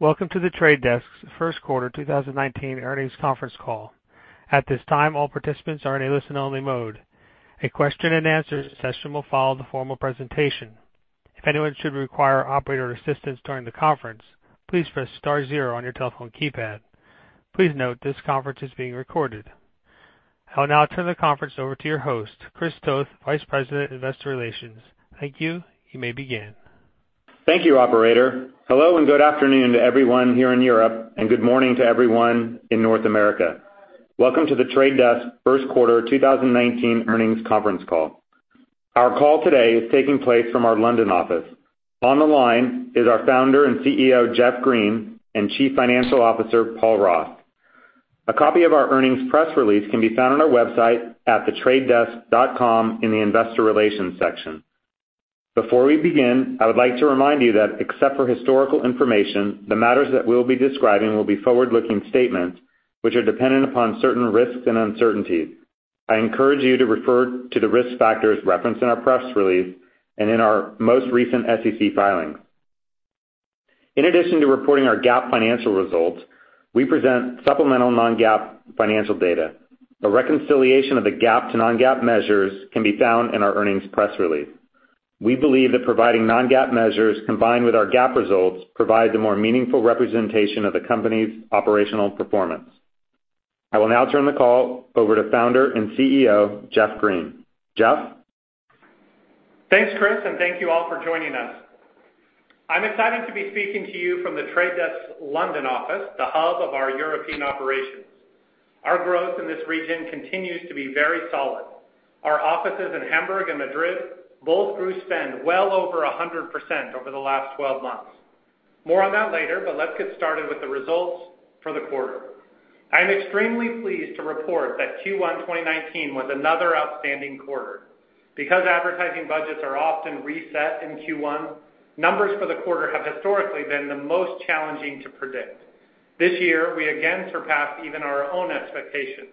Welcome to The Trade Desk first quarter 2019 earnings conference call. At this time, all participants are in a listen-only mode. A question and answer session will follow the formal presentation. If anyone should require operator assistance during the conference, please press star zero on your telephone keypad. Please note this conference is being recorded. I will now turn the conference over to your host, Chris Toth, Vice President, Investor Relations. Thank you. You may begin. Thank you, operator. Hello, good afternoon to everyone here in Europe, good morning to everyone in North America. Welcome to The Trade Desk first quarter 2019 earnings conference call. Our call today is taking place from our London office. On the line is our Founder and CEO, Jeff Green, and Chief Financial Officer, Paul Ross. A copy of our earnings press release can be found on our website at thetradedesk.com in the investor relations section. Before we begin, I would like to remind you that except for historical information, the matters that we'll be describing will be forward-looking statements which are dependent upon certain risks and uncertainties. I encourage you to refer to the risk factors referenced in our press release and in our most recent SEC filings. In addition to reporting our GAAP financial results, we present supplemental non-GAAP financial data. A reconciliation of the GAAP to non-GAAP measures can be found in our earnings press release. We believe that providing non-GAAP measures combined with our GAAP results provides a more meaningful representation of the company's operational performance. I will now turn the call over to Founder and CEO, Jeff Green. Jeff? Thanks, Chris, thank you all for joining us. I'm excited to be speaking to you from The Trade Desk's London office, the hub of our European operations. Our growth in this region continues to be very solid. Our offices in Hamburg and Madrid both grew spend well over 100% over the last 12 months. More on that later, let's get started with the results for the quarter. I am extremely pleased to report that Q1 2019 was another outstanding quarter. Because advertising budgets are often reset in Q1, numbers for the quarter have historically been the most challenging to predict. This year, we again surpassed even our own expectations.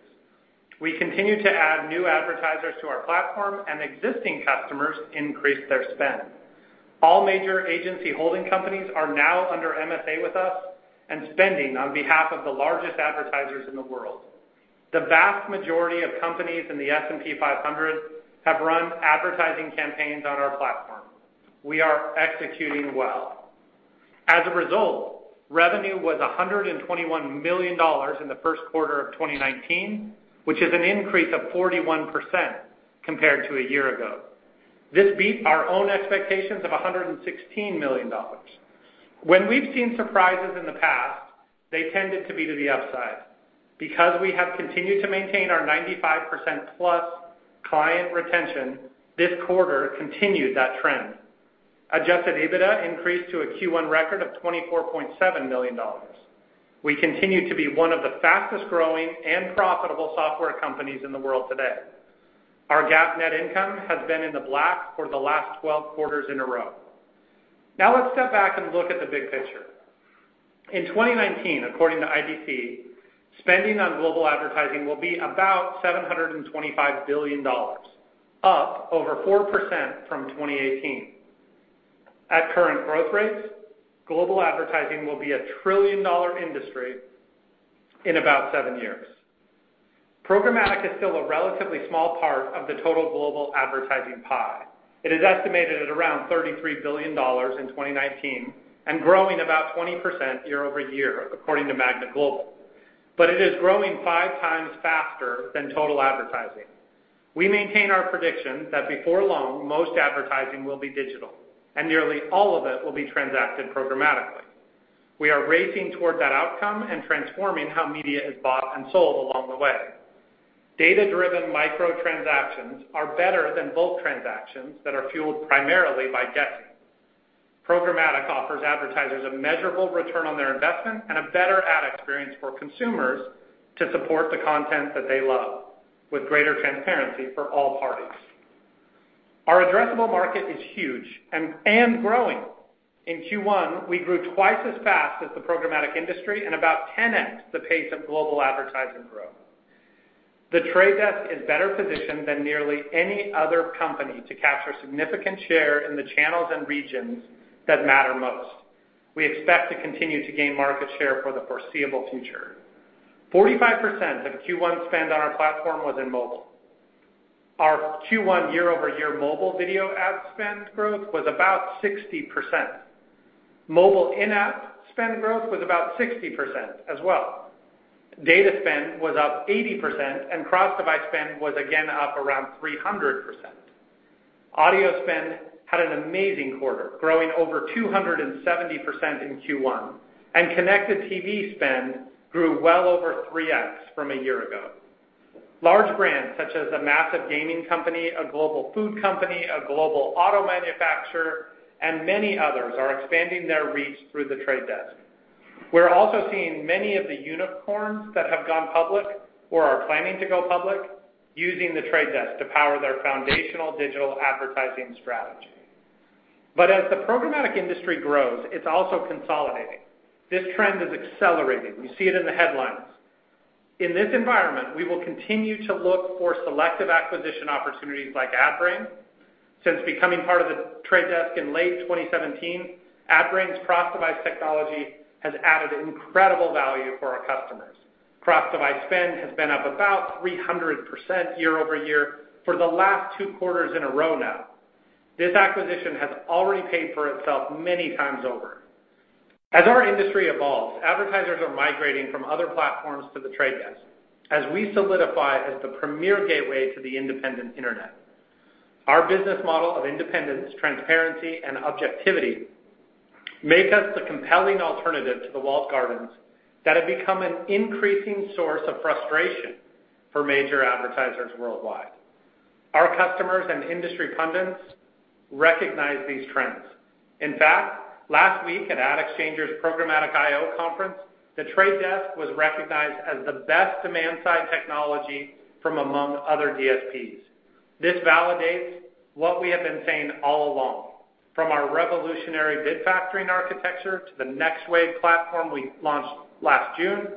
We continue to add new advertisers to our platform and existing customers increase their spend. All major agency holding companies are now under MSA with us and spending on behalf of the largest advertisers in the world. The vast majority of companies in the S&P 500 have run advertising campaigns on our platform. We are executing well. As a result, revenue was $121 million in the first quarter of 2019, which is an increase of 41% compared to a year ago. This beat our own expectations of $116 million. When we've seen surprises in the past, they tended to be to the upside. Because we have continued to maintain our 95%+ client retention, this quarter continued that trend. Adjusted EBITDA increased to a Q1 record of $24.7 million. We continue to be one of the fastest-growing and profitable software companies in the world today. Our GAAP net income has been in the black for the last 12 quarters in a row. Let's step back and look at the big picture. In 2019, according to IDC, spending on global advertising will be about $725 billion, up over 4% from 2018. At current growth rates, global advertising will be a trillion-dollar industry in about seven years. Programmatic is still a relatively small part of the total global advertising pie. It is estimated at around $33 billion in 2019 and growing about 20% year-over-year, according to Magna Global. It is growing five times faster than total advertising. We maintain our prediction that before long, most advertising will be digital, and nearly all of it will be transacted programmatically. We are racing toward that outcome and transforming how media is bought and sold along the way. Data-driven micro transactions are better than bulk transactions that are fueled primarily by guessing. Programmatic offers advertisers a measurable return on their investment and a better ad experience for consumers to support the content that they love with greater transparency for all parties. Our addressable market is huge and growing. In Q1, we grew twice as fast as the programmatic industry and about 10x the pace of global advertising growth. The Trade Desk is better positioned than nearly any other company to capture significant share in the channels and regions that matter most. We expect to continue to gain market share for the foreseeable future. 45% of Q1 spend on our platform was in mobile. Our Q1 year-over-year mobile video ad spend growth was about 60%. Mobile in-app spend growth was about 60% as well. Data spend was up 80%, and cross-device spend was again up around 300%. Audio spend had an amazing quarter, growing over 270% in Q1. Connected TV spend grew well over 3x from a year ago. Large brands such as a massive gaming company, a global food company, a global auto manufacturer, and many others are expanding their reach through The Trade Desk. We're also seeing many of the unicorns that have gone public or are planning to go public using The Trade Desk to power their foundational digital advertising strategy. As the programmatic industry grows, it's also consolidating. This trend is accelerating. We see it in the headlines. In this environment, we will continue to look for selective acquisition opportunities like Adbrain. Since becoming part of The Trade Desk in late 2017, Adbrain's cross-device technology has added incredible value for our customers. Cross-device spend has been up about 300% year-over-year for the last two quarters in a row now. This acquisition has already paid for itself many times over. As our industry evolves, advertisers are migrating from other platforms to The Trade Desk as we solidify as the premier gateway to the independent internet. Our business model of independence, transparency, and objectivity make us the compelling alternative to the walled gardens that have become an increasing source of frustration for major advertisers worldwide. Our customers and industry pundits recognize these trends. In fact, last week at AdExchanger's Programmatic I/O conference, The Trade Desk was recognized as the best demand-side technology from among other DSPs. This validates what we have been saying all along. From our revolutionary bid factoring architecture to the Next Wave platform we launched last June,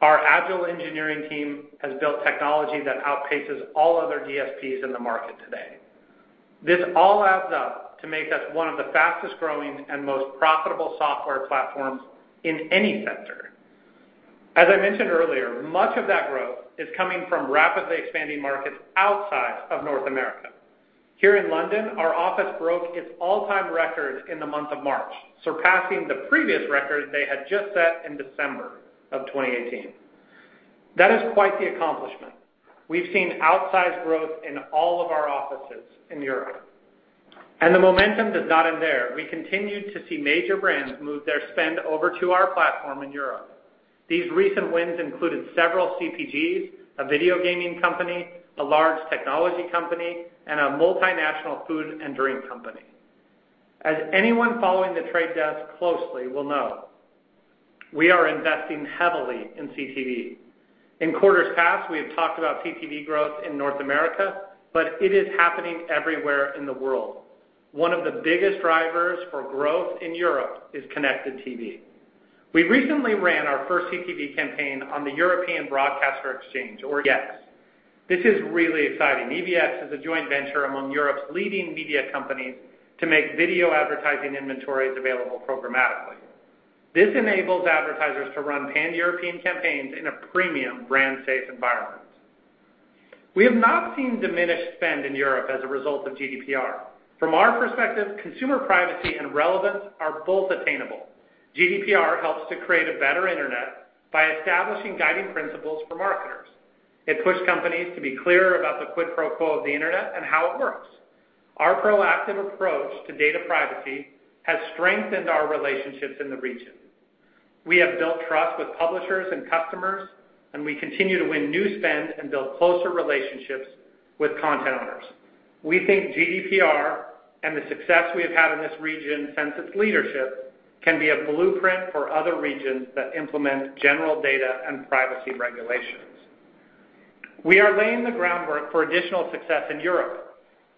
our agile engineering team has built technology that outpaces all other DSPs in the market today. This all adds up to make us one of the fastest-growing and most profitable software platforms in any sector. As I mentioned earlier, much of that growth is coming from rapidly expanding markets outside of North America. Here in London, our office broke its all-time record in the month of March, surpassing the previous record they had just set in December of 2018. That is quite the accomplishment. We've seen outsized growth in all of our offices in Europe. The momentum does not end there. We continued to see major brands move their spend over to our platform in Europe. These recent wins included several CPGs, a video gaming company, a large technology company, and a multinational food and drink company. As anyone following The Trade Desk closely will know, we are investing heavily in CTV. In quarters past, we have talked about CTV growth in North America, it is happening everywhere in the world. One of the biggest drivers for growth in Europe is connected TV. We recently ran our first CTV campaign on the European Broadcaster Exchange, or EBX. This is really exciting. EBX is a joint venture among Europe's leading media companies to make video advertising inventories available programmatically. This enables advertisers to run pan-European campaigns in a premium brand-safe environment. We have not seen diminished spend in Europe as a result of GDPR. From our perspective, consumer privacy and relevance are both attainable. GDPR helps to create a better internet by establishing guiding principles for marketers. It pushed companies to be clearer about the quid pro quo of the internet and how it works. Our proactive approach to data privacy has strengthened our relationships in the region. We have built trust with publishers and customers, we continue to win new spend and build closer relationships with content owners. We think GDPR and the success we have had in this region since its leadership can be a blueprint for other regions that implement general data and privacy regulations. We are laying the groundwork for additional success in Europe.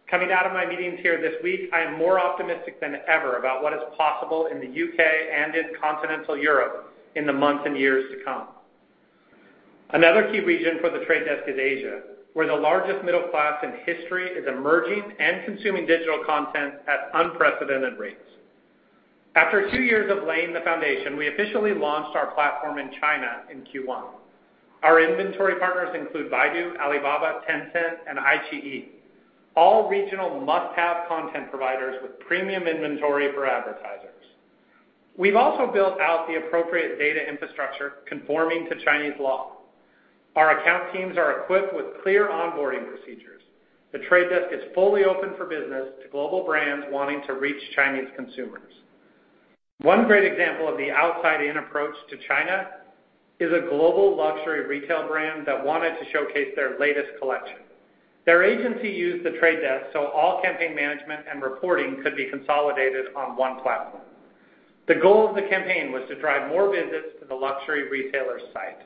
Coming out of my meetings here this week, I am more optimistic than ever about what is possible in the U.K. and in continental Europe in the months and years to come. Another key region for The Trade Desk is Asia, where the largest middle class in history is emerging and consuming digital content at unprecedented rates. After two years of laying the foundation, we officially launched our platform in China in Q1. Our inventory partners include Baidu, Alibaba, Tencent, and iQiyi, all regional must-have content providers with premium inventory for advertisers. We have also built out the appropriate data infrastructure conforming to Chinese law. Our account teams are equipped with clear onboarding procedures. The Trade Desk is fully open for business to global brands wanting to reach Chinese consumers. One great example of the outside-in approach to China is a global luxury retail brand that wanted to showcase their latest collection. Their agency used The Trade Desk so all campaign management and reporting could be consolidated on one platform. The goal of the campaign was to drive more visits to the luxury retailer's site.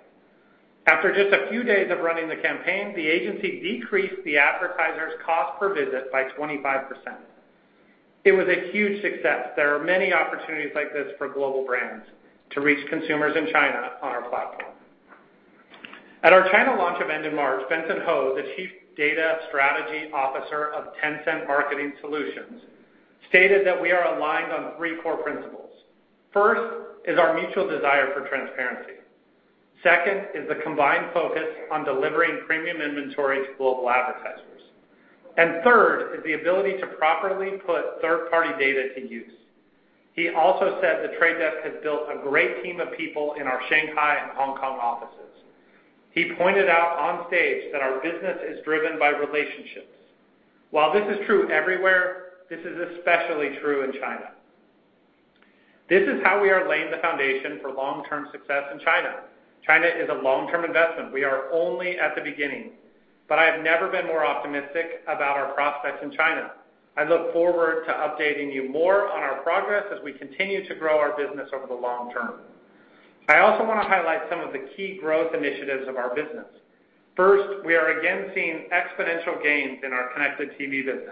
After just a few days of running the campaign, the agency decreased the advertiser's cost per visit by 25%. It was a huge success. There are many opportunities like this for global brands to reach consumers in China on our platform. At our China launch event in March, Benson Ho, the Chief Data Strategy Officer of Tencent Marketing Solutions, stated that we are aligned on three core principles. First is our mutual desire for transparency. Second is the combined focus on delivering premium inventory to global advertisers. And third is the ability to properly put third-party data to use. He also said The Trade Desk has built a great team of people in our Shanghai and Hong Kong offices. He pointed out on stage that our business is driven by relationships. While this is true everywhere, this is especially true in China. This is how we are laying the foundation for long-term success in China. China is a long-term investment. First, we are again seeing exponential gains in our connected TV business.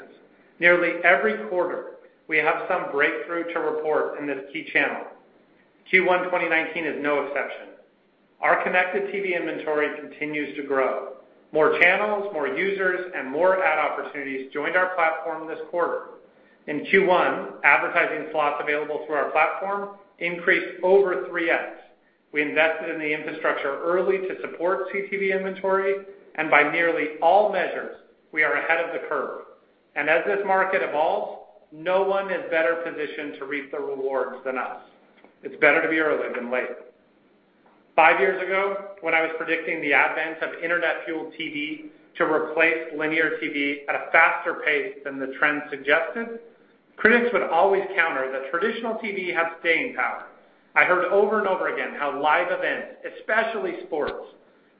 Nearly every quarter, we have some breakthrough to report in this key channel. Q1 2019 is no exception. Our connected TV inventory continues to grow. More channels, more users, and more ad opportunities joined our platform this quarter. In Q1, advertising slots available through our platform increased over 3X. We invested in the infrastructure early to support connected TV inventory, and by nearly all measures, we are ahead of the curve. And as this market evolves, no one is better positioned to reap the rewards than us. It is better to be early than late. Five years ago, when I was predicting the advent of internet-fueled TV to replace linear TV at a faster pace than the trend suggested, critics would always counter that traditional TV has staying power. I heard over and over again how live events, especially sports,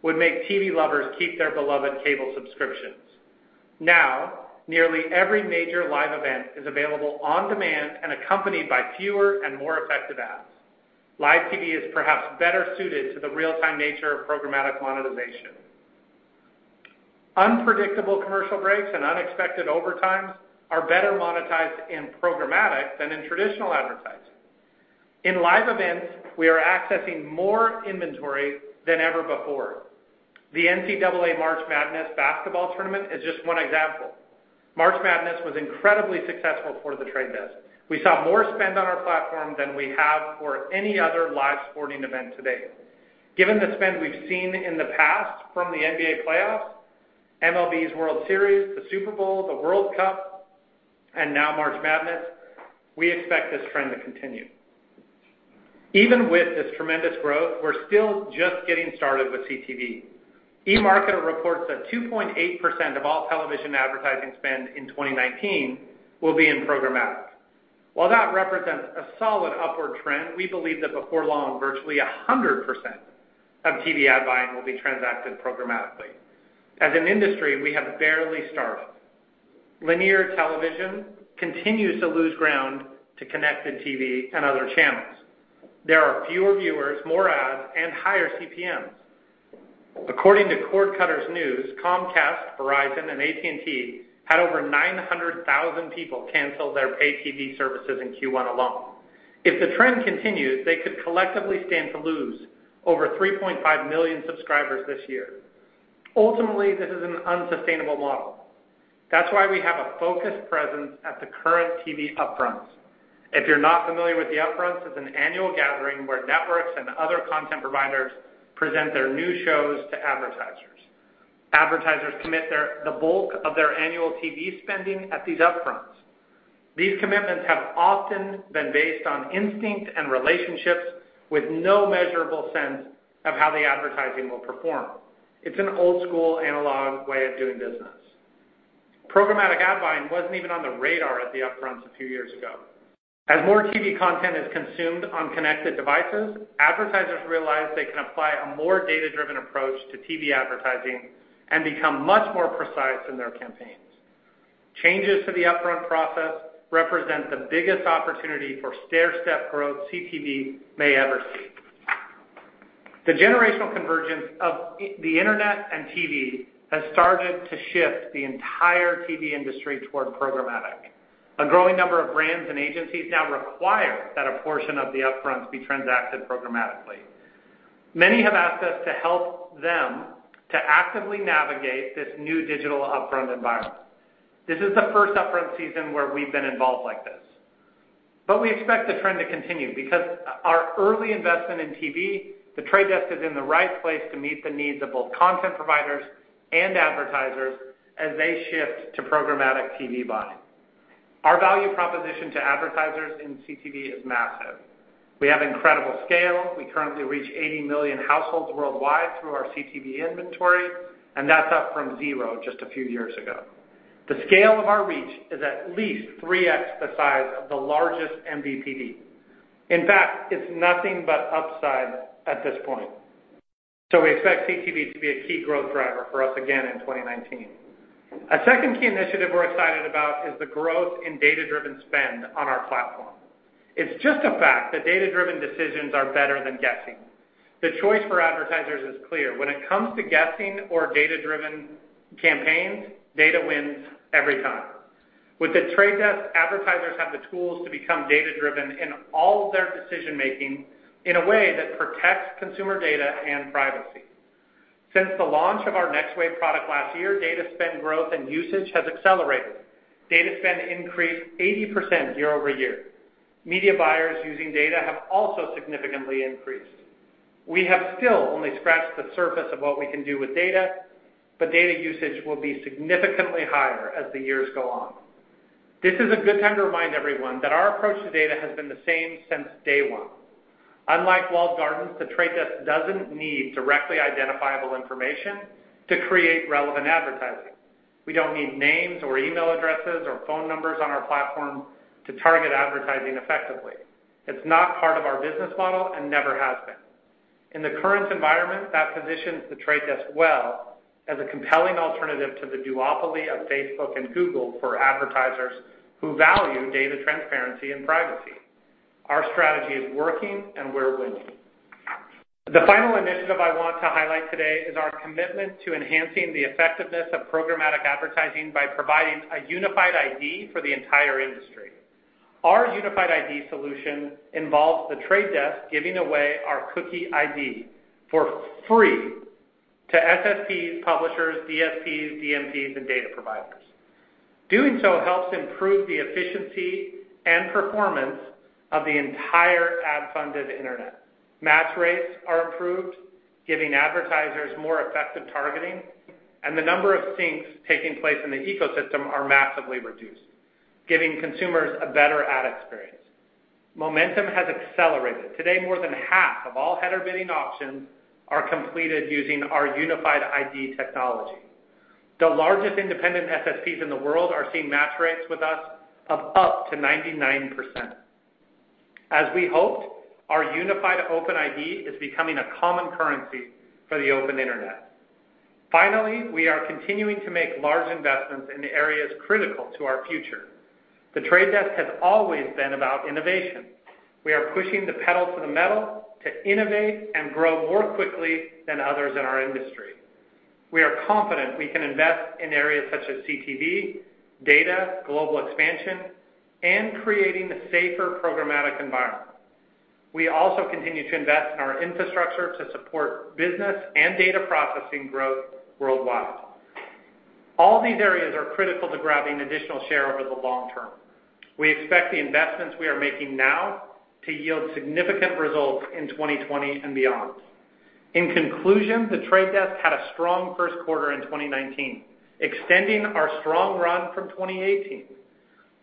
would make TV lovers keep their beloved cable subscriptions. Now, nearly every major live event is available on demand and accompanied by fewer and more effective ads. Live TV is perhaps better suited to the real-time nature of programmatic monetization. Unpredictable commercial breaks and unexpected overtimes are better monetized in programmatic than in traditional advertising. In live events, we are accessing more inventory than ever before. The NCAA March Madness basketball tournament is just one example. March Madness was incredibly successful for The Trade Desk. We saw more spend on our platform than we have for any other live sporting event to date. Given the spend we've seen in the past from the NBA playoffs, MLB's World Series, the Super Bowl, the World Cup, and now March Madness, we expect this trend to continue. Even with this tremendous growth, we're still just getting started with CTV. eMarketer reports that 2.8% of all television advertising spend in 2019 will be in programmatic. While that represents a solid upward trend, we believe that before long, virtually 100% of TV ad buying will be transacted programmatically. As an industry, we have barely started. Linear television continues to lose ground to connected TV and other channels. There are fewer viewers, more ads, and higher CPMs. According to Cord Cutters News, Comcast, Verizon, and AT&T had over 900,000 people cancel their pay TV services in Q1 alone. If the trend continues, they could collectively stand to lose over 3.5 million subscribers this year. Ultimately, this is an unsustainable model. That's why we have a focused presence at the current TV upfronts. If you're not familiar with the upfronts, it's an annual gathering where networks and other content providers present their new shows to advertisers. Advertisers commit the bulk of their annual TV spending at these upfronts. These commitments have often been based on instinct and relationships with no measurable sense of how the advertising will perform. It's an old school analog way of doing business. Programmatic ad buying wasn't even on the radar at the upfronts a few years ago. As more TV content is consumed on connected devices, advertisers realize they can apply a more data-driven approach to TV advertising and become much more precise in their campaigns. Changes to the upfront process represent the biggest opportunity for stairstep growth CTV may ever see. The generational convergence of the internet and TV has started to shift the entire TV industry toward programmatic. A growing number of brands and agencies now require that a portion of the upfronts be transacted programmatically. Many have asked us to help them to actively navigate this new digital upfront environment. This is the first upfront season where we've been involved like this. We expect the trend to continue because our early investment in TV, The Trade Desk is in the right place to meet the needs of both content providers and advertisers as they shift to programmatic TV buying. Our value proposition to advertisers in CTV is massive. We have incredible scale. We currently reach 80 million households worldwide through our CTV inventory, and that's up from zero just a few years ago. The scale of our reach is at least 3X the size of the largest MVPD. In fact, it's nothing but upside at this point. We expect CTV to be a key growth driver for us again in 2019. A second key initiative we're excited about is the growth in data-driven spend on our platform. It's just a fact that data-driven decisions are better than guessing. The choice for advertisers is clear. When it comes to guessing or data-driven campaigns, data wins every time. With The Trade Desk, advertisers have the tools to become data-driven in all their decision-making in a way that protects consumer data and privacy. Since the launch of our Next Wave product last year, data spend growth and usage has accelerated. Data spend increased 80% year-over-year. Media buyers using data have also significantly increased. We have still only scratched the surface of what we can do with data, but data usage will be significantly higher as the years go on. This is a good time to remind everyone that our approach to data has been the same since day one. Unlike walled gardens, The Trade Desk doesn't need directly identifiable information to create relevant advertising. We don't need names or email addresses or phone numbers on our platform to target advertising effectively. It's not part of our business model and never has been. In the current environment, that positions The Trade Desk well as a compelling alternative to the duopoly of Facebook and Google for advertisers who value data transparency and privacy. Our strategy is working, and we're winning. The final initiative I want to highlight today is our commitment to enhancing the effectiveness of programmatic advertising by providing a unified ID for the entire industry. Our unified ID solution involves The Trade Desk giving away our cookie ID for free to SSPs, publishers, DSPs, DMPs, and data providers. Doing so helps improve the efficiency and performance of the entire ad-funded internet. Match rates are improved, giving advertisers more effective targeting, and the number of syncs taking place in the ecosystem are massively reduced, giving consumers a better ad experience. Momentum has accelerated. Today, more than half of all header bidding options are completed using our unified ID technology. The largest independent SSPs in the world are seeing match rates with us of up to 99%. As we hoped, our unified open ID is becoming a common currency for the open internet. Finally, we are continuing to make large investments in the areas critical to our future. The Trade Desk has always been about innovation. We are pushing the pedal to the metal to innovate and grow more quickly than others in our industry. We are confident we can invest in areas such as CTV, data, global expansion, and creating a safer programmatic environment. We also continue to invest in our infrastructure to support business and data processing growth worldwide. All these areas are critical to grabbing additional share over the long term. We expect the investments we are making now to yield significant results in 2020 and beyond. In conclusion, The Trade Desk had a strong first quarter in 2019, extending our strong run from 2018.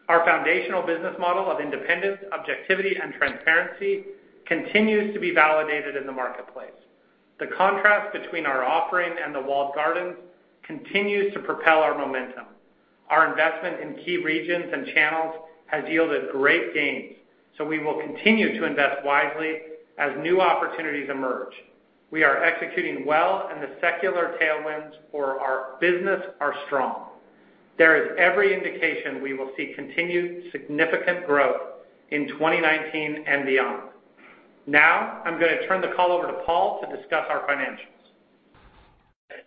Our foundational business model of independence, objectivity, and transparency continues to be validated in the marketplace. The contrast between our offering and the walled gardens continues to propel our momentum. Our investment in key regions and channels has yielded great gains, so we will continue to invest wisely as new opportunities emerge. We are executing well and the secular tailwinds for our business are strong. There is every indication we will see continued significant growth in 2019 and beyond. I'm going to turn the call over to Paul to discuss our financials.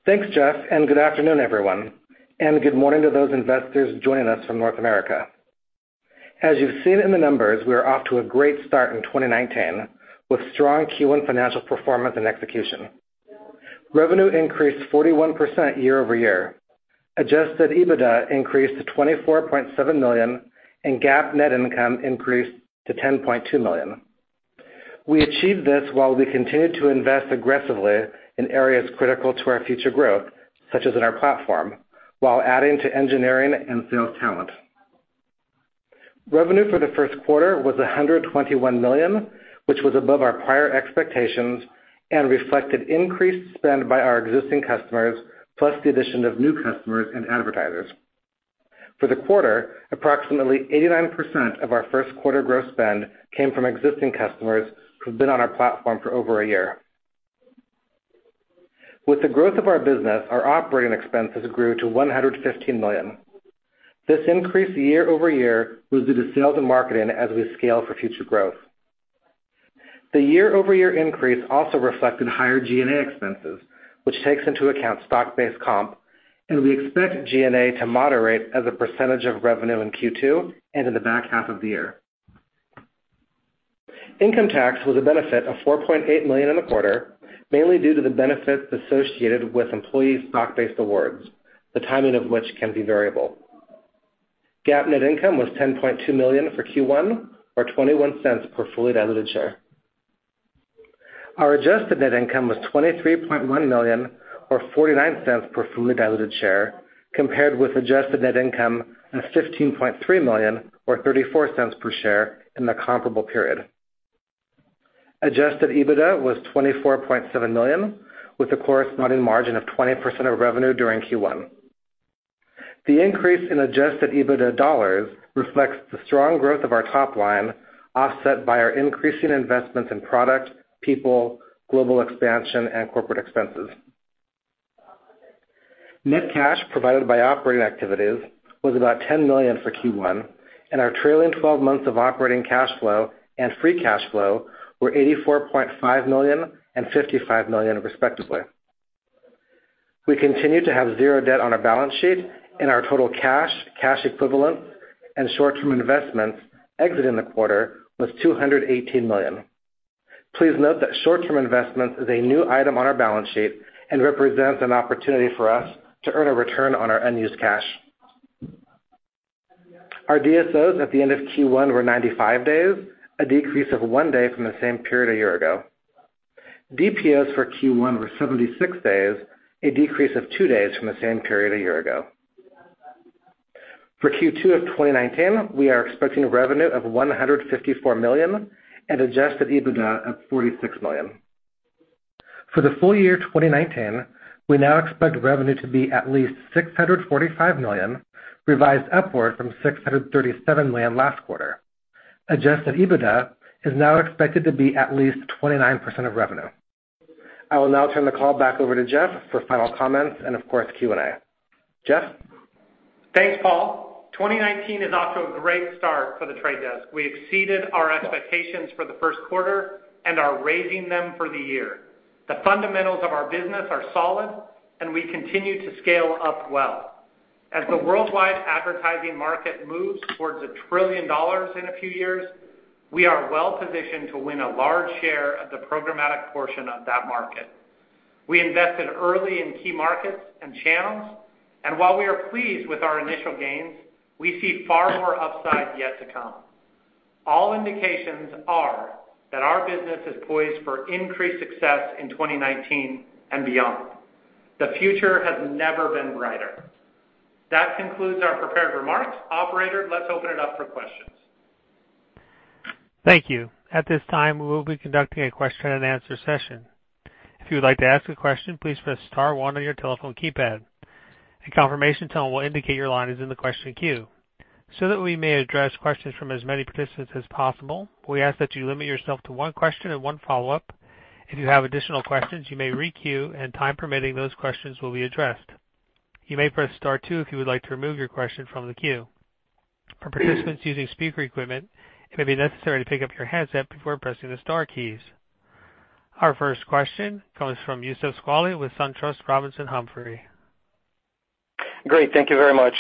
Thanks, Jeff, Good afternoon, everyone, and good morning to those investors joining us from North America. As you've seen in the numbers, we are off to a great start in 2019 with strong Q1 financial performance and execution. Revenue increased 41% year-over-year. Adjusted EBITDA increased to $24.7 million, and GAAP net income increased to $10.2 million. We achieved this while we continued to invest aggressively in areas critical to our future growth, such as in our platform, while adding to engineering and sales talent. Revenue for the first quarter was $121 million, which was above our prior expectations and reflected increased spend by our existing customers, plus the addition of new customers and advertisers. For the quarter, approximately 89% of our first quarter gross spend came from existing customers who've been on our platform for over a year. With the growth of our business, our operating expenses grew to $115 million. This increase year-over-year was due to sales and marketing as we scale for future growth. The year-over-year increase also reflected higher G&A expenses, which takes into account stock-based comp, and we expect G&A to moderate as a percentage of revenue in Q2 and in the back half of the year. Income tax was a benefit of $4.8 million in the quarter, mainly due to the benefits associated with employee stock-based awards, the timing of which can be variable. GAAP net income was $10.2 million for Q1 or $0.21 per fully diluted share. Our adjusted net income was $23.1 million or $0.49 per fully diluted share, compared with adjusted net income of $15.3 million or $0.34 per share in the comparable period. Adjusted EBITDA was $24.7 million, with a corresponding margin of 20% of revenue during Q1. The increase in Adjusted EBITDA dollars reflects the strong growth of our top line, offset by our increasing investments in product, people, global expansion, and corporate expenses. Net cash provided by operating activities was about $10 million for Q1, and our trailing 12 months of operating cash flow and free cash flow were $84.5 million and $55 million, respectively. We continue to have zero debt on our balance sheet, and our total cash equivalent, and short-term investments exiting the quarter was $218 million. Please note that short-term investments is a new item on our balance sheet and represents an opportunity for us to earn a return on our unused cash. Our DSOs at the end of Q1 were 95 days, a decrease of one day from the same period a year ago. DPOs for Q1 were 76 days, a decrease of two days from the same period a year ago. For Q2 of 2019, we are expecting revenue of $154 million and Adjusted EBITDA of $46 million. For the full year 2019, we now expect revenue to be at least $645 million, revised upward from $637 million last quarter. Adjusted EBITDA is now expected to be at least 29% of revenue. I will now turn the call back over to Jeff for final comments and of course, Q&A. Jeff? Thanks, Paul. 2019 is off to a great start for The Trade Desk. We exceeded our expectations for the first quarter and are raising them for the year. The fundamentals of our business are solid, and we continue to scale up well. As the worldwide advertising market moves towards $1 trillion in a few years, we are well-positioned to win a large share of the programmatic portion of that market. We invested early in key markets and channels, and while we are pleased with our initial gains, we see far more upside yet to come. All indications are that our business is poised for increased success in 2019 and beyond. The future has never been brighter. That concludes our prepared remarks. Operator, let's open it up for questions. Thank you. At this time, we will be conducting a question and answer session. If you would like to ask a question, please press star one on your telephone keypad. A confirmation tone will indicate your line is in the question queue. That we may address questions from as many participants as possible, we ask that you limit yourself to one question and one follow-up. If you have additional questions, you may re-queue, and time permitting, those questions will be addressed. You may press star two if you would like to remove your question from the queue. For participants using speaker equipment, it may be necessary to pick up your handset before pressing the star keys. Our first question comes from Youssef Squali with SunTrust Robinson Humphrey. Great. Thank you very much.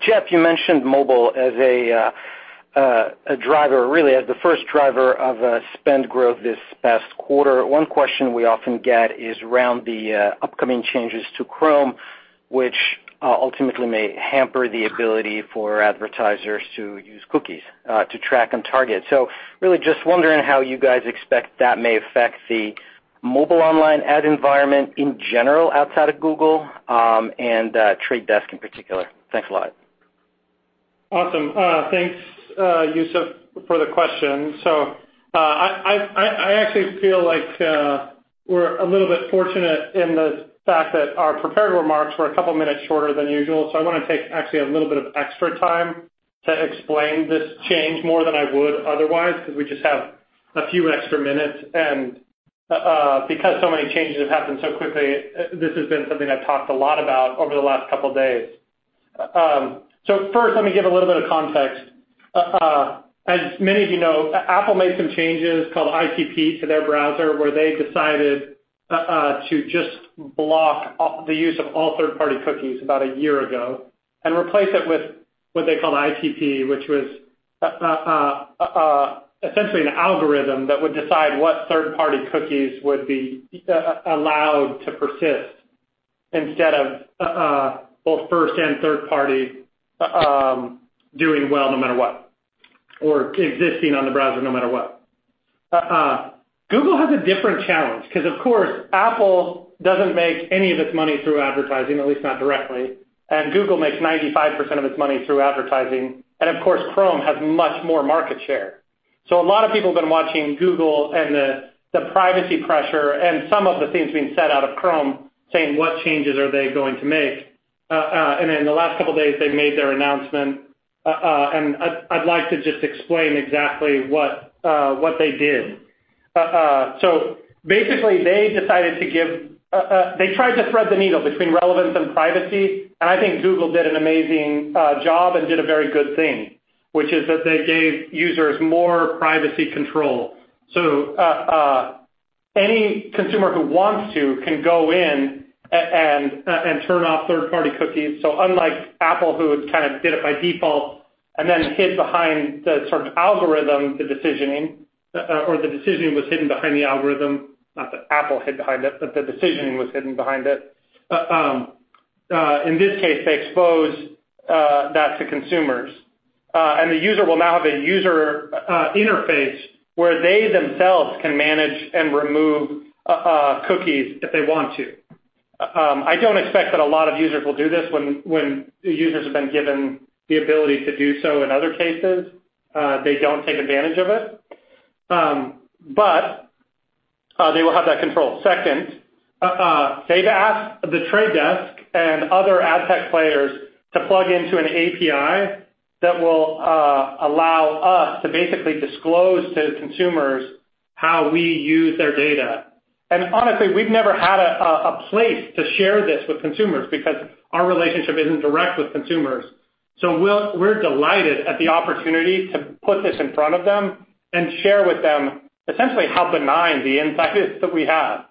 Jeff, you mentioned mobile as a driver, really as the first driver of spend growth this past quarter. One question we often get is around the upcoming changes to Chrome, which ultimately may hamper the ability for advertisers to use cookies to track and target. Really just wondering how you guys expect that may affect the mobile online ad environment in general, outside of Google, and The Trade Desk in particular. Thanks a lot. Awesome. Thanks, Youssef, for the question. I actually feel like we're a little bit fortunate in the fact that our prepared remarks were a couple of minutes shorter than usual. I want to take actually a little bit of extra time to explain this change more than I would otherwise, because we just have a few extra minutes, and because so many changes have happened so quickly, this has been something I've talked a lot about over the last couple of days. First, let me give a little bit of context. As many of you know, Apple made some changes called ITP to their browser, where they decided to just block the use of all third-party cookies about a year ago and replace it with what they called ITP, which was essentially an algorithm that would decide what third-party cookies would be allowed to persist instead of both first and third party doing well no matter what, or existing on the browser no matter what. Google has a different challenge because, of course, Apple doesn't make any of its money through advertising, at least not directly, and Google makes 95% of its money through advertising. Of course, Chrome has much more market share. A lot of people have been watching Google and the privacy pressure and some of the things being said out of Chrome saying, what changes are they going to make? In the last couple of days, they've made their announcement, and I'd like to just explain exactly what they did. Basically, they tried to thread the needle between relevance and privacy, and I think Google did an amazing job and did a very good thing, which is that they gave users more privacy control. Any consumer who wants to can go in and turn off third-party cookies. Unlike Apple, who kind of did it by default and then hid behind the sort of algorithm, the decisioning, or the decisioning was hidden behind the algorithm, not that Apple hid behind it, but the decisioning was hidden behind it. In this case, they expose that to consumers. The user will now have a user interface where they themselves can manage and remove cookies if they want to. I don't expect that a lot of users will do this when users have been given the ability to do so in other cases. They don't take advantage of it, but they will have that control. Second, they've asked The Trade Desk and other ad tech players to plug into an API that will allow us to basically disclose to consumers how we use their data. Honestly, we've never had a place to share this with consumers because our relationship isn't direct with consumers. We're delighted at the opportunity to put this in front of them and share with them essentially how benign the insight is that we have.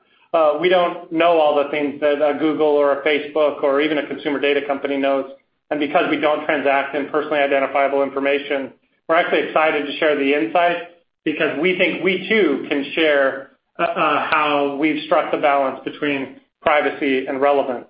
We don't know all the things that a Google or a Facebook or even a consumer data company knows. Because we don't transact in personally identifiable information, we're actually excited to share the insight because we think we too can share how we've struck the balance between privacy and relevance.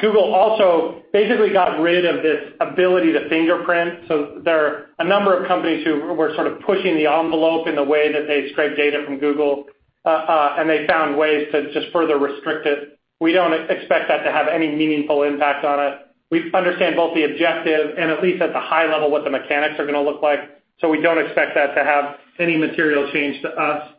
Google also basically got rid of this ability to fingerprint. There are a number of companies who were sort of pushing the envelope in the way that they scrape data from Google, and they found ways to just further restrict it. We don't expect that to have any meaningful impact on it. We understand both the objective and at least at the high level, what the mechanics are going to look like. We don't expect that to have any material change to us.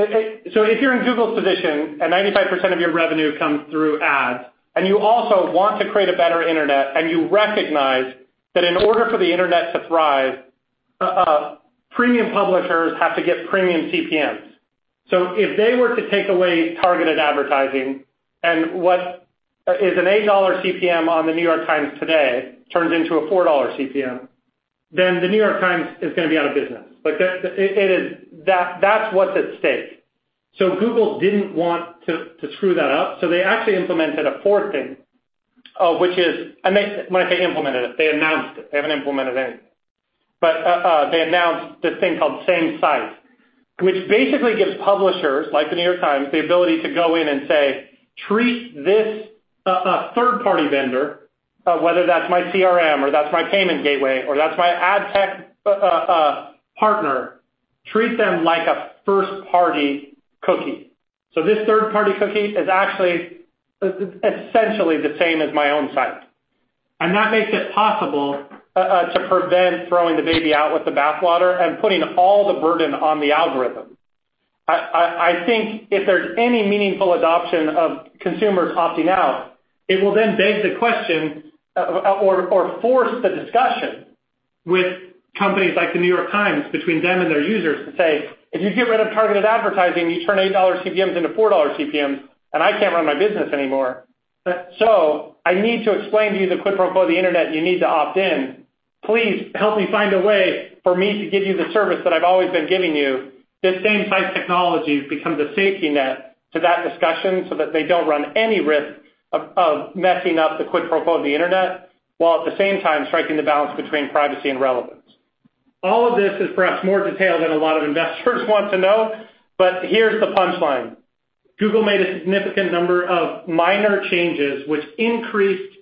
If you're in Google's position, and 95% of your revenue comes through ads, and you also want to create a better internet, and you recognize that in order for the internet to thrive, premium publishers have to get premium CPMs. If they were to take away targeted advertising and what is an $8 CPM on The New York Times today turns into a $4 CPM, then The New York Times is going to be out of business. That's what's at stake. Google didn't want to screw that up, they actually implemented a fourth thing, when I say implemented it, they announced it. They haven't implemented anything. They announced this thing called SameSite, which basically gives publishers like The New York Times, the ability to go in and say, "Treat this third-party vendor, whether that's my CRM or that's my payment gateway, or that's my ad tech partner, treat them like a first-party cookie." This third-party cookie is actually essentially the same as my own site. That makes it possible, to prevent throwing the baby out with the bathwater and putting all the burden on the algorithm. I think if there's any meaningful adoption of consumers opting out, it will then beg the question or force the discussion with companies like The New York Times, between them and their users to say, "If you get rid of targeted advertising, you turn $8 CPMs into $4 CPMs, and I can't run my business anymore. I need to explain to you the quid pro quo of the internet, you need to opt in. Please help me find a way for me to give you the service that I've always been giving you." This SameSite technology becomes a safety net to that discussion so that they don't run any risk of messing up the quid pro quo of the internet, while at the same time striking the balance between privacy and relevance. All of this is perhaps more detail than a lot of investors want to know, but here's the punchline. Google made a significant number of minor changes which increased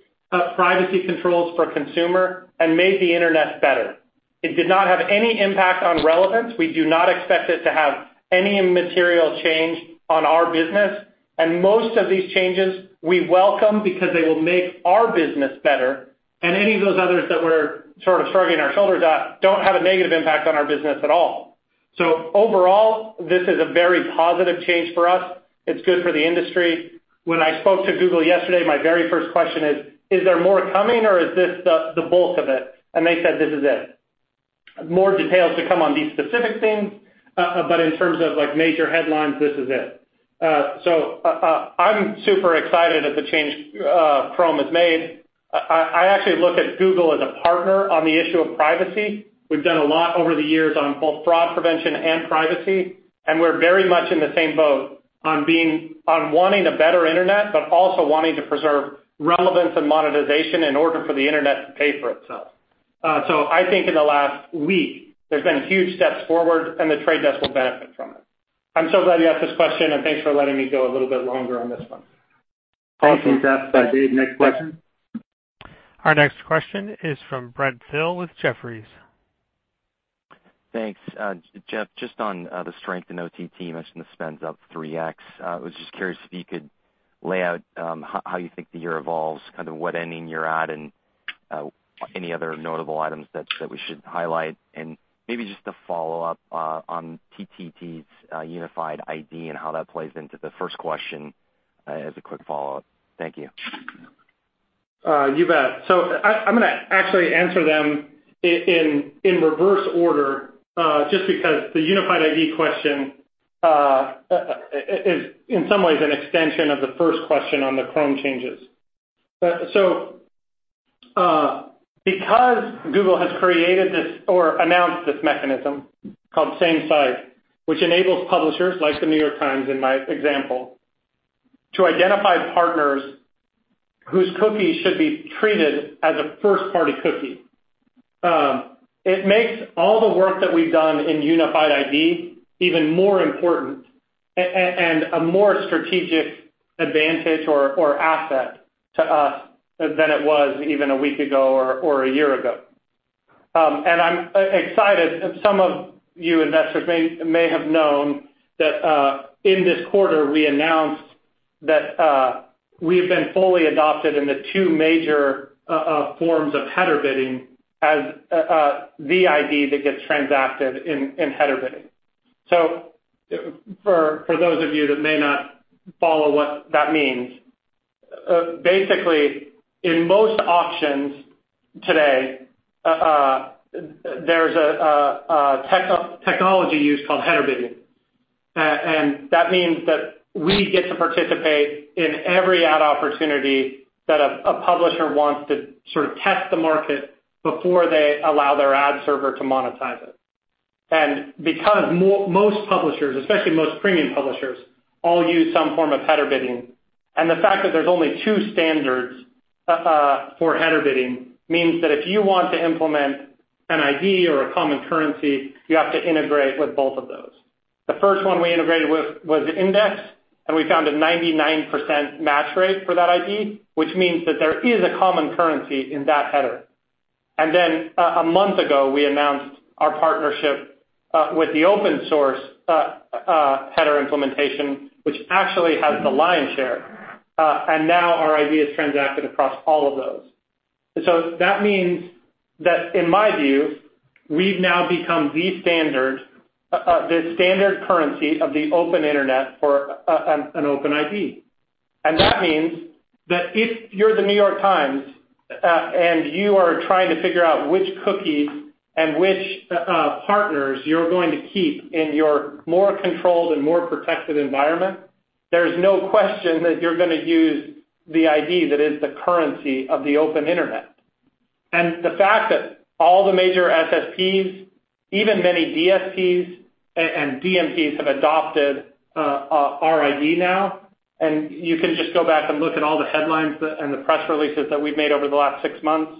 privacy controls for consumers and made the internet better. It did not have any impact on relevance. We do not expect it to have any material change on our business. Most of these changes we welcome because they will make our business better, and any of those others that we're sort of shrugging our shoulders at don't have a negative impact on our business at all. Overall, this is a very positive change for us. It's good for the industry. When I spoke to Google yesterday, my very first question is there more coming or is this the bulk of it? They said, "This is it." More details to come on these specific things, but in terms of major headlines, this is it. I'm super excited at the change Chrome has made. I actually look at Google as a partner on the issue of privacy. We've done a lot over the years on both fraud prevention and privacy. We're very much in the same boat on wanting a better internet, but also wanting to preserve relevance and monetization in order for the internet to pay for itself. I think in the last week, there's been huge steps forward, and The Trade Desk will benefit from it. I'm so glad you asked this question, thanks for letting me go a little bit longer on this one. Thank you, Jeff. Dave, next question. Our next question is from Brent Thill with Jefferies. Thanks. Jeff, just on the strength in OTT, you mentioned the spend's up 3X. I was just curious if you could lay out how you think the year evolves, what ending you're at, and any other notable items that we should highlight. Maybe just a follow-up on TTD's Unified ID and how that plays into the first question as a quick follow-up. Thank you. You bet. I'm going to actually answer them in reverse order, just because the Unified ID question is in some ways an extension of the first question on the Chrome changes. Because Google has created this or announced this mechanism called SameSite, which enables publishers like "The New York Times" in my example, to identify partners whose cookies should be treated as a first-party cookie. It makes all the work that we've done in Unified ID even more important and a more strategic advantage or asset to us than it was even a week ago or a year ago. I'm excited. Some of you investors may have known that in this quarter, we announced that we have been fully adopted in the two major forms of header bidding as the ID that gets transacted in header bidding. For those of you that may not follow what that means, basically in most auctions today, there is a technology used called header bidding. That means that we get to participate in every ad opportunity that a publisher wants to sort of test the market before they allow their ad server to monetize it. Because most publishers, especially most premium publishers, all use some form of header bidding, and the fact that there is only two standards for header bidding means that if you want to implement an ID or a common currency, you have to integrate with both of those. The first one we integrated with was Index, and we found a 99% match rate for that ID, which means that there is a common currency in that header. A month ago, we announced our partnership with the open source header implementation, which actually has the lion's share. Now our ID is transacted across all of those. That means that in my view, we have now become the standard currency of the open internet for an open ID. That means that if you are The New York Times and you are trying to figure out which cookies and which partners you are going to keep in your more controlled and more protected environment, there is no question that you are going to use the ID that is the currency of the open internet. The fact that all the major SSPs, even many DSPs and DMPs, have adopted our ID now, and you can just go back and look at all the headlines and the press releases that we have made over the last six months.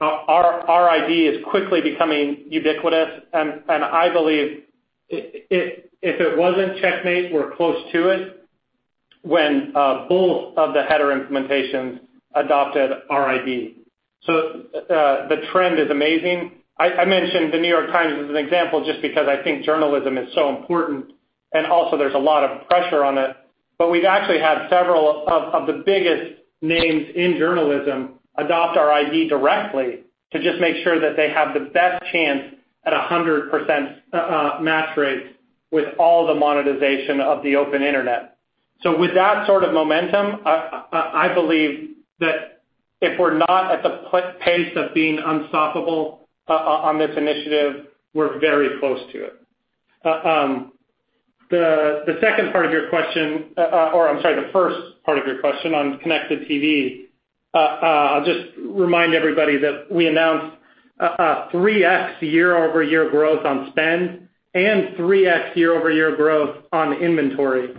Our ID is quickly becoming ubiquitous, and I believe if it was not checkmate, we are close to it when both of the header implementations adopted our ID. The trend is amazing. I mentioned The New York Times as an example, just because I think journalism is so important and also there is a lot of pressure on it. We have actually had several of the biggest names in journalism adopt our ID directly to just make sure that they have the best chance at 100% match rates with all the monetization of the open internet. With that sort of momentum, I believe that if we are not at the pace of being unstoppable on this initiative, we are very close to it. The second part of your question or, I am sorry, the first part of your question on Connected TV, I will just remind everybody that we announced a 3x year-over-year growth on spend and 3x year-over-year growth on inventory.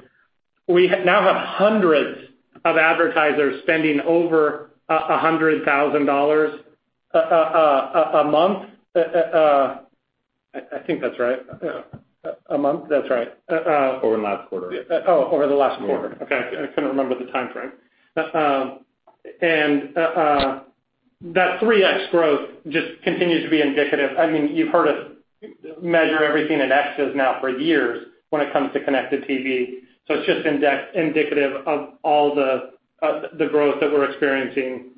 We now have hundreds of advertisers spending over $100,000 a month. I think that is right. A month? That is right. Over last quarter. Oh, over the last quarter. Okay. I couldn't remember the time frame. That 3x growth just continues to be indicative. You've heard us measure everything in Xs now for years when it comes to connected TV. It's just indicative of all the growth that we're experiencing,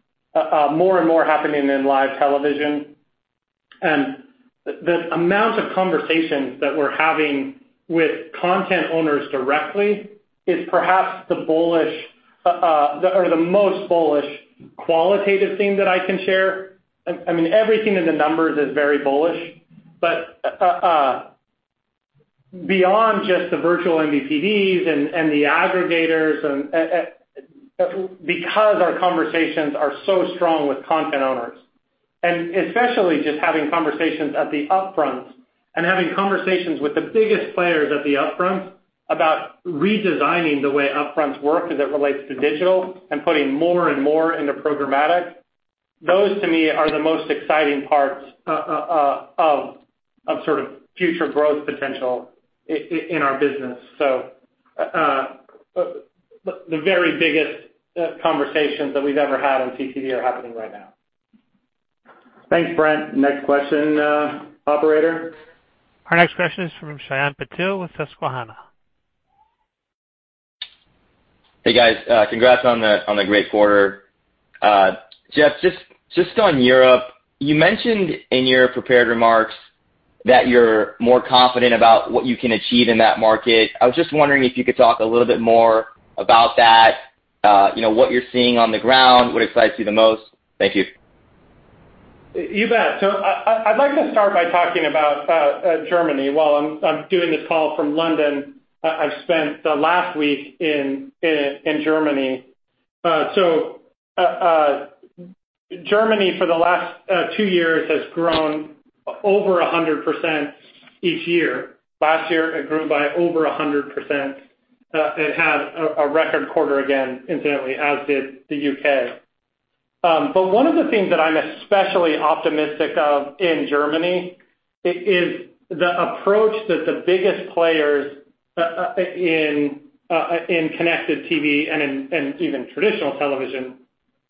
more and more happening in live television. The amount of conversations that we're having with content owners directly is perhaps the most bullish qualitative thing that I can share. Everything in the numbers is very bullish. Beyond just the virtual MVPDs and the aggregators, because our conversations are so strong with content owners, and especially just having conversations at the upfront and having conversations with the biggest players at the upfront about redesigning the way upfronts work as it relates to digital and putting more and more into programmatic. Those, to me, are the most exciting parts of future growth potential in our business. The very biggest conversations that we've ever had on CTV are happening right now. Thanks, Brent. Next question, operator. Our next question is from Shyam Patil with Susquehanna. Hey, guys. Congrats on the great quarter. Jeff, just on Europe, you mentioned in your prepared remarks that you're more confident about what you can achieve in that market. I was just wondering if you could talk a little bit more about that, what you're seeing on the ground, what excites you the most. Thank you. You bet. I'd like to start by talking about Germany. While I'm doing this call from London, I've spent the last week in Germany. Germany, for the last two years, has grown over 100% each year. Last year, it grew by over 100%. It had a record quarter again, incidentally, as did the U.K. One of the things that I'm especially optimistic of in Germany is the approach that the biggest players in connected TV and in even traditional television,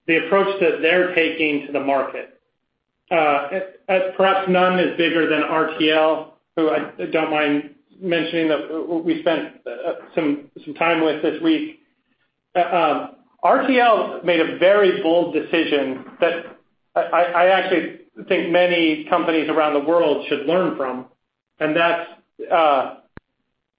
the approach that they're taking to the market. Perhaps none is bigger than RTL, who I don't mind mentioning that we spent some time with this week. RTL made a very bold decision that I actually think many companies around the world should learn from, and that's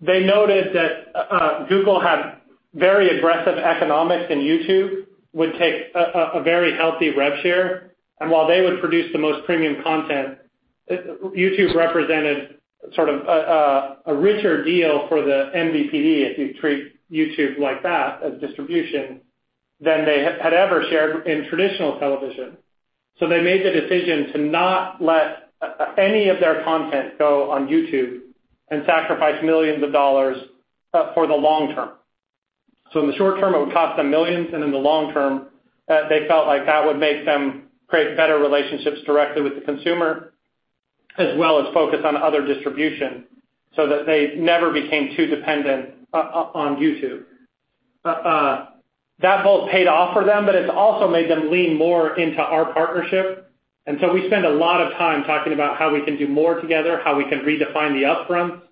they noted that Google had very aggressive economics and YouTube would take a very healthy rev share, and while they would produce the most premium content, YouTube represented sort of a richer deal for the MVPD, if you treat YouTube like that, as distribution, than they had ever shared in traditional television. They made the decision to not let any of their content go on YouTube and sacrifice $ millions for the long term. In the short term, it would cost them $ millions, in the long term, they felt like that would make them create better relationships directly with the consumer, as well as focus on other distribution so that they never became too dependent on YouTube. That bold paid off for them. It's also made them lean more into our partnership. We spend a lot of time talking about how we can do more together, how we can redefine the upfront.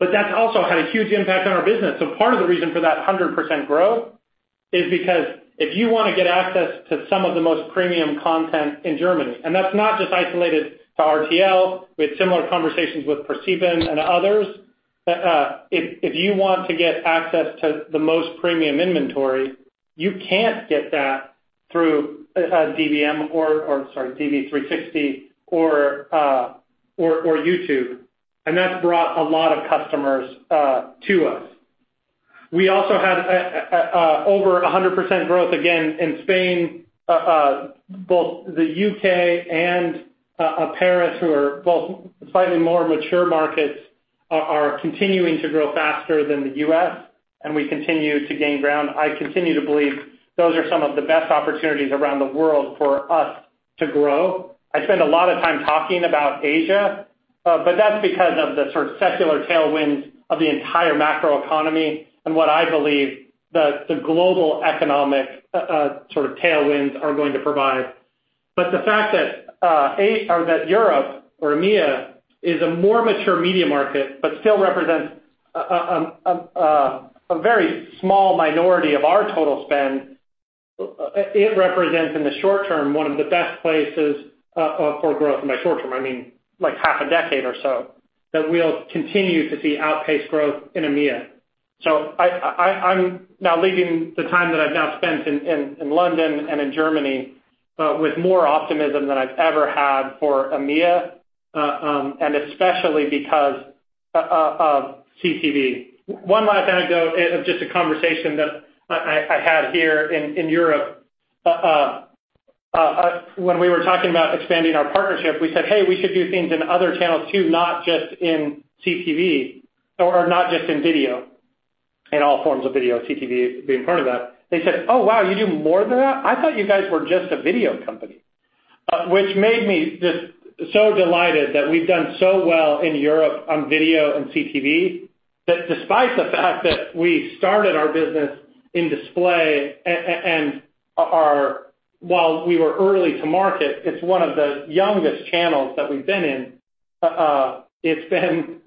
That's also had a huge impact on our business. Part of the reason for that 100% growth is because if you want to get access to some of the most premium content in Germany, that's not just isolated to RTL. We had similar conversations with ProSieben and others. If you want to get access to the most premium inventory, you can't get that through DBM or, sorry, DV360 or YouTube. That's brought a lot of customers to us. We also had over 100% growth again in Spain. Both the U.K. and Paris, who are both slightly more mature markets, are continuing to grow faster than the U.S. We continue to gain ground. I continue to believe those are some of the best opportunities around the world for us to grow. I spend a lot of time talking about Asia. That's because of the sort of secular tailwinds of the entire macro economy and what I believe the global economic sort of tailwinds are going to provide. The fact that Europe or EMEA is a more mature media market but still represents a very small minority of our total spend, it represents, in the short term, one of the best places for growth. By short term, I mean like half a decade or so, that we'll continue to see outpaced growth in EMEA. I'm now leaving the time that I've now spent in London and in Germany, with more optimism than I've ever had for EMEA, especially because of CTV. One last anecdote of just a conversation that I had here in Europe. When we were talking about expanding our partnership, we said, "Hey, we should do things in other channels too, not just in CTV or not just in video," in all forms of video, CTV being part of that. They said, "Oh, wow, you do more than that? I thought you guys were just a video company." Which made me just so delighted that we've done so well in Europe on video and CTV, that despite the fact that we started our business in display and while we were early to market, it's one of the youngest channels that we've been in. It's been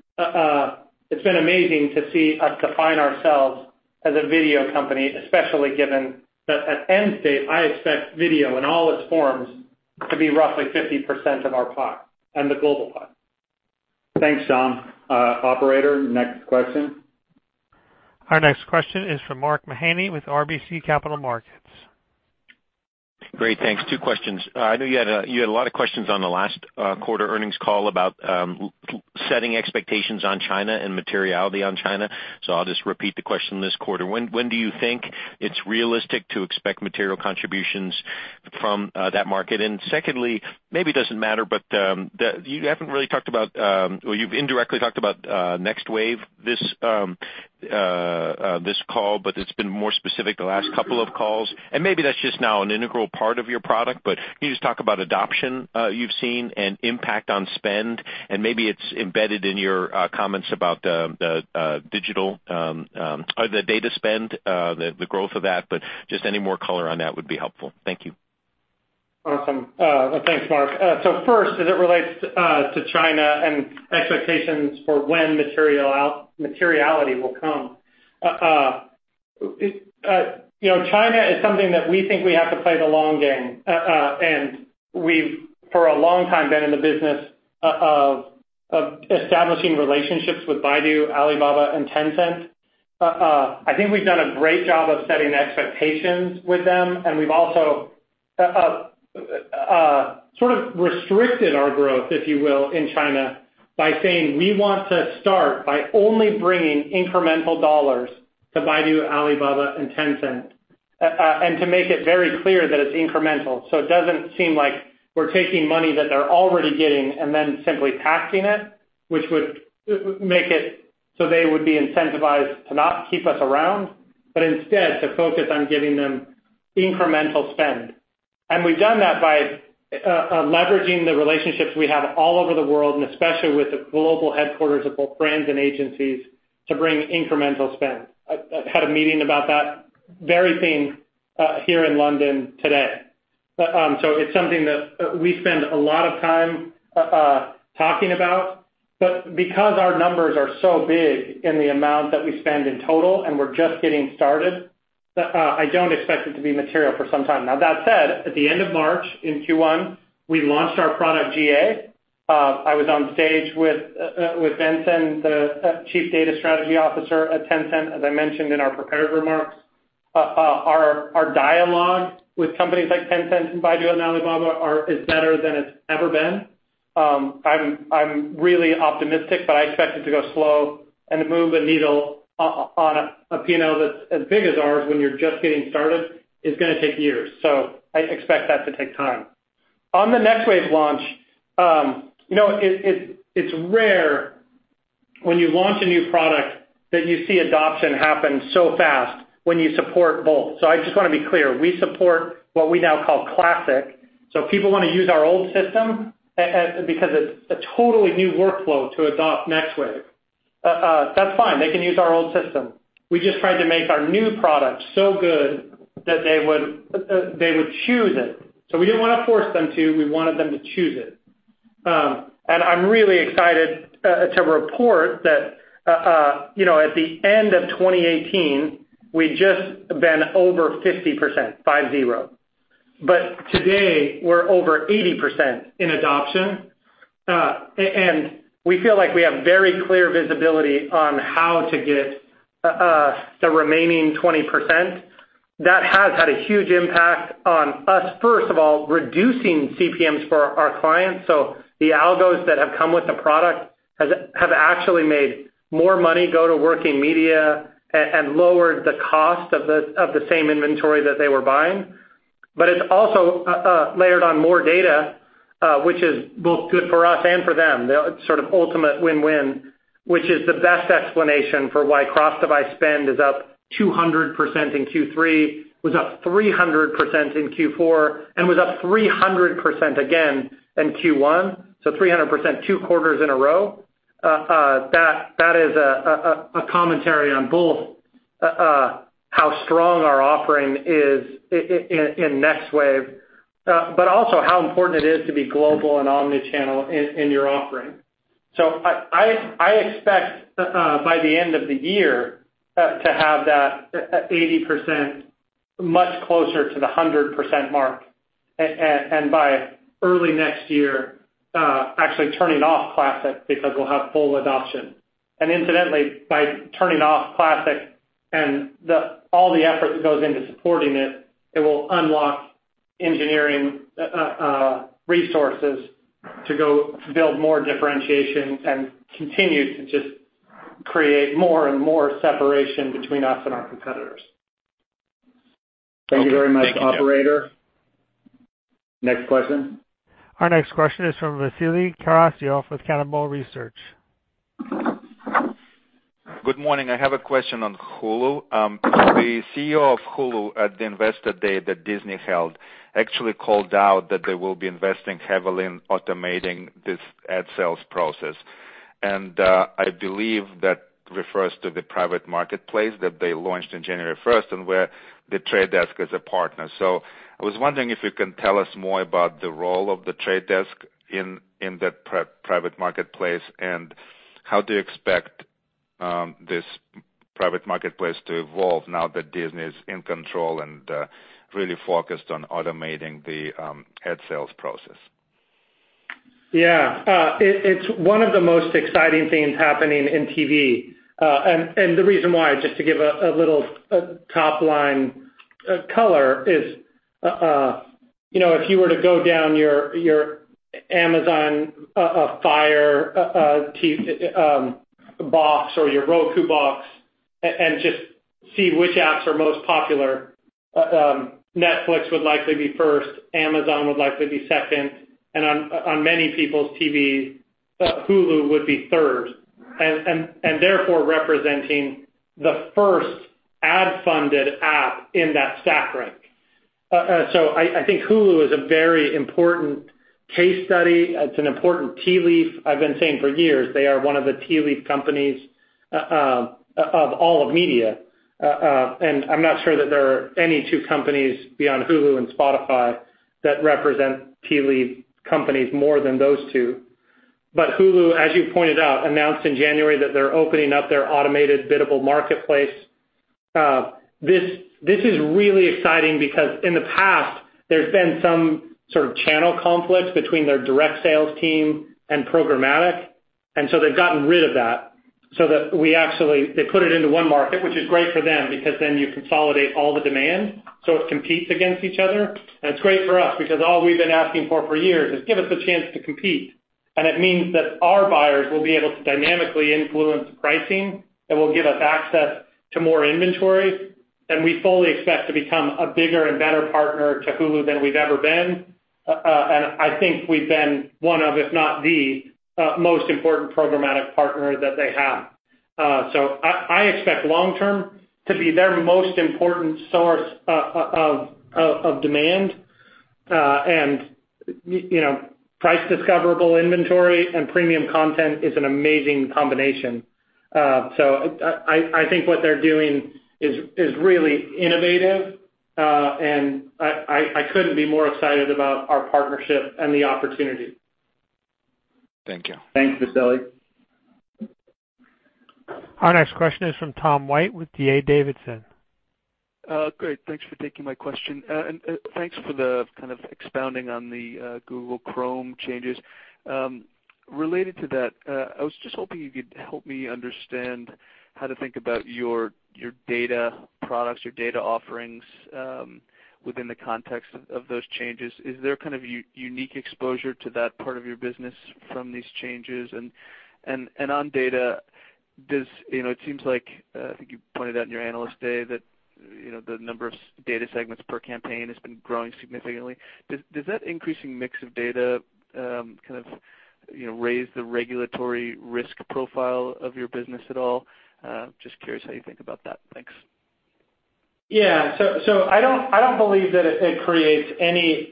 amazing to see us define ourselves as a video company, especially given that at end state, I expect video in all its forms to be roughly 50% of our pie and the global pie. Thanks, Shyam. Operator, next question. Our next question is from Mark Mahaney with RBC Capital Markets. Great. Thanks. Two questions. I know you had a lot of questions on the last quarter earnings call about setting expectations on China and materiality on China. I'll just repeat the question this quarter. When do you think it's realistic to expect material contributions from that market? Secondly, maybe it doesn't matter, but you haven't really talked about or you've indirectly talked about Next Wave this call, but it's been more specific the last couple of calls, and maybe that's just now an integral part of your product, but can you just talk about adoption you've seen and impact on spend? Maybe it's embedded in your comments about the data spend, the growth of that, but just any more color on that would be helpful. Thank you. Awesome. Thanks, Mark. First, as it relates to China and expectations for when materiality will come. China is something that we think we have to play the long game. We've, for a long time, been in the business of establishing relationships with Baidu, Alibaba, and Tencent. I think we've done a great job of setting expectations with them, we've also sort of restricted our growth, if you will, in China by saying we want to start by only bringing incremental dollars to Baidu, Alibaba, and Tencent, to make it very clear that it's incremental, so it doesn't seem like we're taking money that they're already getting simply taxing it, which would make it so they would be incentivized to not keep us around, but instead to focus on giving them incremental spend. We've done that by leveraging the relationships we have all over the world, especially with the global headquarters of both brands and agencies to bring incremental spend. I had a meeting about that very thing here in London today. It's something that we spend a lot of time talking about. Because our numbers are so big in the amount that we spend in total, we're just getting started, I don't expect it to be material for some time. Now, that said, at the end of March in Q1, we launched our product GA. I was on stage with Vincent, the Chief Data Strategy Officer at Tencent as I mentioned in our prepared remarks. Our dialogue with companies like Tencent and Baidu and Alibaba is better than it's ever been. I'm really optimistic, but I expect it to go slow and to move the needle on a pin that's as big as ours when you're just getting started is gonna take years. I expect that to take time. On the Next Wave launch, it's rare when you launch a new product that you see adoption happen so fast when you support both. I just want to be clear. We support what we now call Classic, so if people want to use our old system because it's a totally new workflow to adopt Next Wave, that's fine. They can use our old system. We just tried to make our new product so good that they would choose it. We didn't want to force them to, we wanted them to choose it. I'm really excited to report that at the end of 2018, we'd just been over 50%, five zero. Today, we're over 80% in adoption. We feel like we have very clear visibility on how to get the remaining 20%. That has had a huge impact on us, first of all, reducing CPMs for our clients. The algos that have come with the product have actually made more money go to working media and lowered the cost of the same inventory that they were buying. It's also layered on more data, which is both good for us and for them. The sort of ultimate win-win, which is the best explanation for why cross-device spend is up 200% in Q3, was up 300% in Q4, and was up 300% again in Q1, so 300% two quarters in a row. That is a commentary on both how strong our offering is in Next Wave, but also how important it is to be global and omni-channel in your offering. I expect by the end of the year to have that 80% much closer to the 100% mark. By early next year, actually turning off Classic because we'll have full adoption. Incidentally, by turning off Classic and all the effort that goes into supporting it will unlock engineering resources to go build more differentiation and continue to just create more and more separation between us and our competitors. Thank you very much, operator. Next question. Our next question is from Vasily Karasyov with Cannonball Research. Good morning. I have a question on Hulu. The CEO of Hulu at the investor day that Disney held actually called out that they will be investing heavily in automating this ad sales process. I believe that refers to the private marketplace that they launched on January 1st, and where The Trade Desk is a partner. I was wondering if you can tell us more about the role of The Trade Desk in that private marketplace, and how do you expect this private marketplace to evolve now that Disney is in control and really focused on automating the ad sales process? It's one of the most exciting things happening in TV. The reason why, just to give a little top-line color, is if you were to go down your Amazon Fire TV box or your Roku box and just see which apps are most popular, Netflix would likely be first, Amazon would likely be second, and on many people's TVs, Hulu would be third, and therefore representing the first ad-funded app in that stack rank. I think Hulu is a very important case study. It's an important tea leaf. I've been saying for years, they are one of the tea leaf companies of all of media. I'm not sure that there are any two companies beyond Hulu and Spotify that represent tea leaf companies more than those two. Hulu, as you pointed out, announced in January that they're opening up their automated biddable marketplace. This is really exciting because in the past, there's been some sort of channel conflict between their direct sales team and programmatic, and so they've gotten rid of that so that they put it into one market, which is great for them because then you consolidate all the demand, so it competes against each other. It's great for us because all we've been asking for years is give us a chance to compete. It means that our buyers will be able to dynamically influence pricing that will give us access to more inventory, and we fully expect to become a bigger and better partner to Hulu than we've ever been. I think we've been one of, if not the most important programmatic partner that they have. I expect long-term to be their most important source of demand. Price discoverable inventory and premium content is an amazing combination. I think what they're doing is really innovative, and I couldn't be more excited about our partnership and the opportunity. Thank you. Thanks, Vasily. Our next question is from Tom White with D.A. Davidson. Great. Thanks for taking my question. Thanks for the kind of expounding on the Google Chrome changes. Related to that, I was just hoping you could help me understand how to think about your data products, your data offerings within the context of those changes. Is there kind of unique exposure to that part of your business from these changes? On data, it seems like, I think you pointed out in your Analyst Day that the number of data segments per campaign has been growing significantly. Does that increasing mix of data kind of raise the regulatory risk profile of your business at all? Just curious how you think about that. Thanks. Yeah. I don't believe that it creates any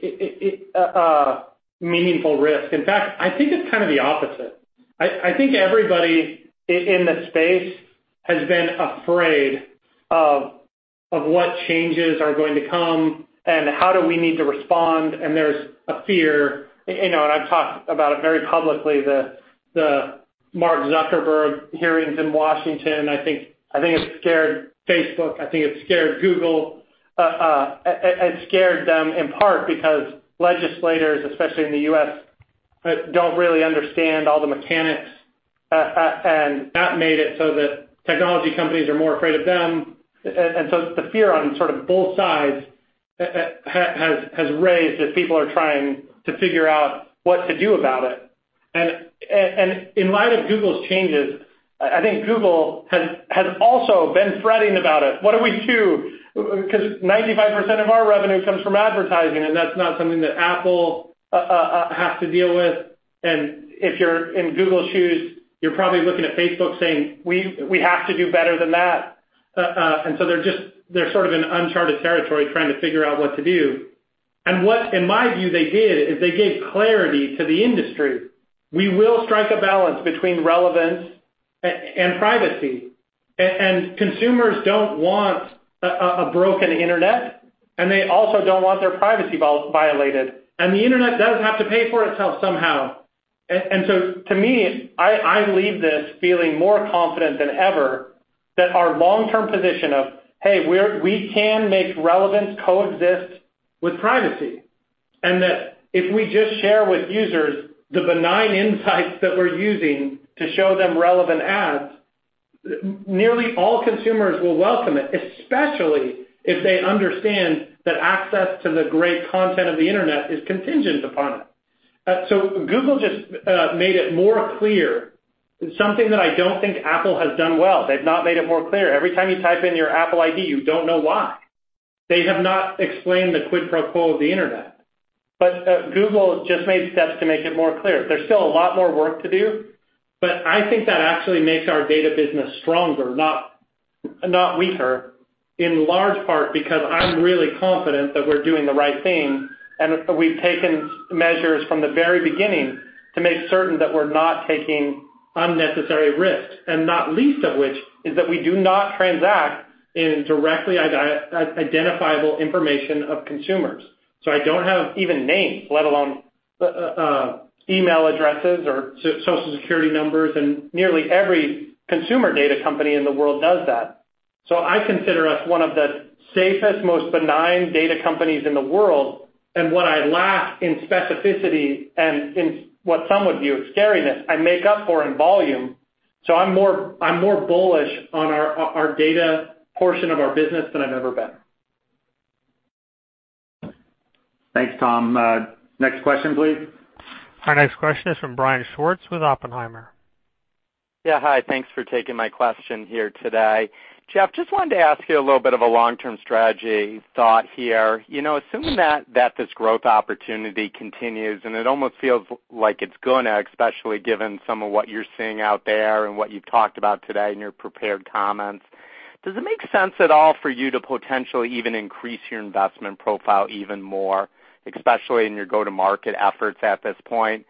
meaningful risk. In fact, I think it's kind of the opposite. I think everybody in the space has been afraid of what changes are going to come and how do we need to respond, and there's a fear. I've talked about it very publicly, the Mark Zuckerberg hearings in Washington, I think it scared Facebook. I think it scared Google. It scared them in part because legislators, especially in the U.S., don't really understand all the mechanics, and that made it so that technology companies are more afraid of them. The fear on both sides has raised as people are trying to figure out what to do about it. In light of Google's changes, I think Google has also been fretting about it. What do we do? 95% of our revenue comes from advertising, and that's not something that Apple has to deal with. If you're in Google's shoes, you're probably looking at Facebook saying, "We have to do better than that." They're in uncharted territory trying to figure out what to do. What, in my view, they did, is they gave clarity to the industry. We will strike a balance between relevance and privacy, and consumers don't want a broken internet, and they also don't want their privacy violated. The internet does have to pay for itself somehow. To me, I leave this feeling more confident than ever that our long-term position of, hey, we can make relevance coexist with privacy, and that if we just share with users the benign insights that we're using to show them relevant ads, nearly all consumers will welcome it, especially if they understand that access to the great content of the internet is contingent upon it. Google just made it more clear. Something that I don't think Apple has done well, they've not made it more clear. Every time you type in your Apple ID, you don't know why. They have not explained the quid pro quo of the internet. Google just made steps to make it more clear. There's still a lot more work to do, but I think that actually makes our data business stronger, not weaker, in large part because I'm really confident that we're doing the right thing, and we've taken measures from the very beginning to make certain that we're not taking unnecessary risks, and not least of which is that we do not transact in directly identifiable information of consumers. I don't have even names, let alone email addresses or Social Security numbers, and nearly every consumer data company in the world does that. I consider us one of the safest, most benign data companies in the world. What I lack in specificity and in what some would view as scariness, I make up for in volume. I'm more bullish on our data portion of our business than I've ever been. Thanks, Tom. Next question, please. Our next question is from Brian Schwartz with Oppenheimer. Yeah, hi. Thanks for taking my question here today. Jeff, just wanted to ask you a little bit of a long-term strategy thought here. Assuming that this growth opportunity continues, and it almost feels like it's gonna, especially given some of what you're seeing out there and what you've talked about today in your prepared comments, does it make sense at all for you to potentially even increase your investment profile even more, especially in your go-to-market efforts at this point?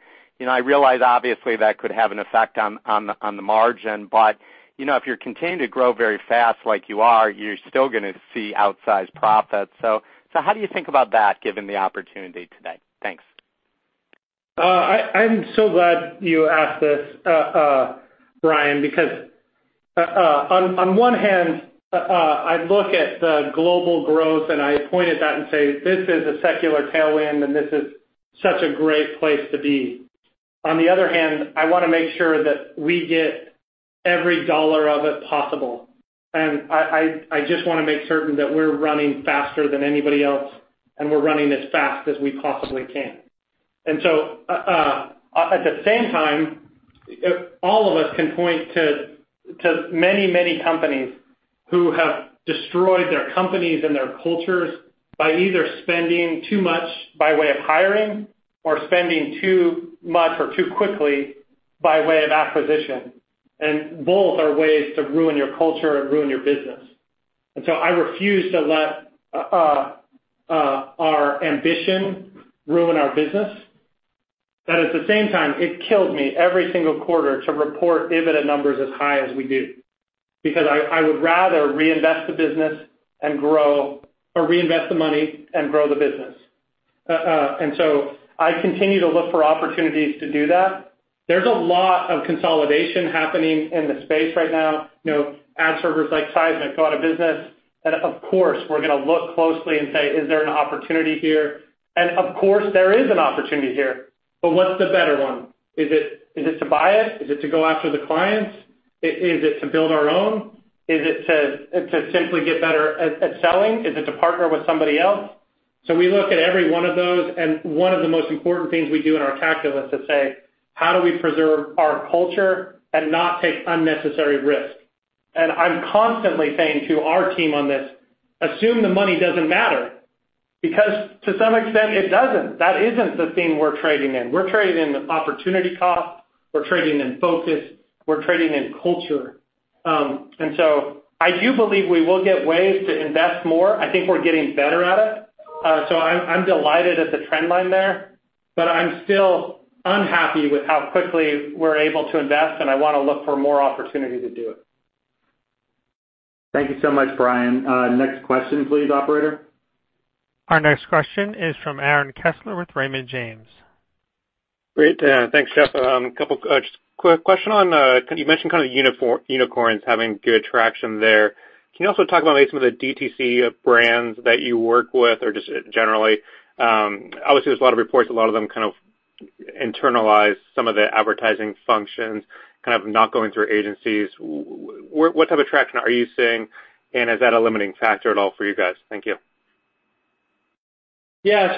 I realize obviously that could have an effect on the margin, but if you're continuing to grow very fast like you are, you're still gonna see outsized profits. How do you think about that given the opportunity today? Thanks. I'm so glad you asked this, Brian, because on one hand, I look at the global growth, and I point at that and say, "This is a secular tailwind, and this is such a great place to be." On the other hand, I want to make sure that we get every dollar of it possible, and I just want to make certain that we're running faster than anybody else, and we're running as fast as we possibly can. At the same time, all of us can point to many companies who have destroyed their companies and their cultures by either spending too much by way of hiring or spending too much or too quickly by way of acquisition. Both are ways to ruin our culture and ruin our business. I refuse to let our ambition ruin our business. At the same time, it kills me every single quarter to report EBITDA numbers as high as we do, because I would rather reinvest the money and grow the business. I continue to look for opportunities to do that. There's a lot of consolidation happening in the space right now. Ad servers like Sizmek go out of business. Of course, we're going to look closely and say, "Is there an opportunity here?" Of course there is an opportunity here, but what's the better one? Is it to buy it? Is it to go after the clients? Is it to build our own? Is it to simply get better at selling? Is it to partner with somebody else? We look at every one of those, and one of the most important things we do in our calculus is say, "How do we preserve our culture and not take unnecessary risks?" And I'm constantly saying to our team on this, assume the money doesn't matter, because to some extent, it doesn't. That isn't the thing we're trading in. We're trading in opportunity cost. We're trading in focus. We're trading in culture. I do believe we will get ways to invest more. I think we're getting better at it. I'm delighted at the trend line there, but I'm still unhappy with how quickly we're able to invest, and I want to look for more opportunity to do it. Thank you so much, Brian. Next question please, operator. Our next question is from Aaron Kessler with Raymond James. Great. Thanks, Jeff. A couple just quick question on, you mentioned kind of unicorns having good traction there. Can you also talk about maybe some of the DTC brands that you work with or just generally? Obviously, there's a lot of reports, a lot of them kind of internalize some of the advertising functions, kind of not going through agencies. What type of traction are you seeing, and is that a limiting factor at all for you guys? Thank you. Yeah.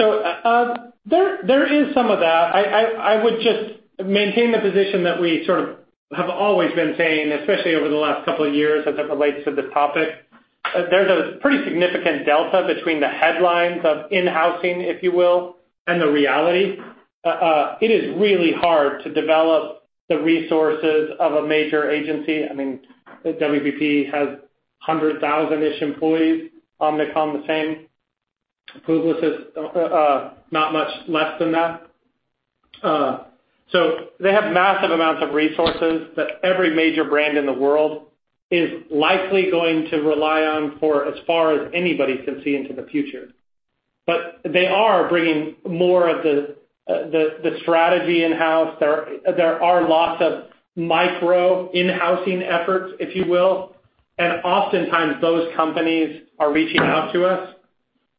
There is some of that. I would just maintain the position that we sort of have always been saying, especially over the last two years as it relates to the topic. There's a pretty significant delta between the headlines of in-housing, if you will, and the reality. It is really hard to develop the resources of a major agency. I mean, WPP has 100,000-ish employees, Omnicom the same. Publicis, not much less than that. They have massive amounts of resources that every major brand in the world is likely going to rely on for as far as anybody can see into the future. They are bringing more of the strategy in-house. There are lots of micro in-housing efforts, if you will. Oftentimes those companies are reaching out to us.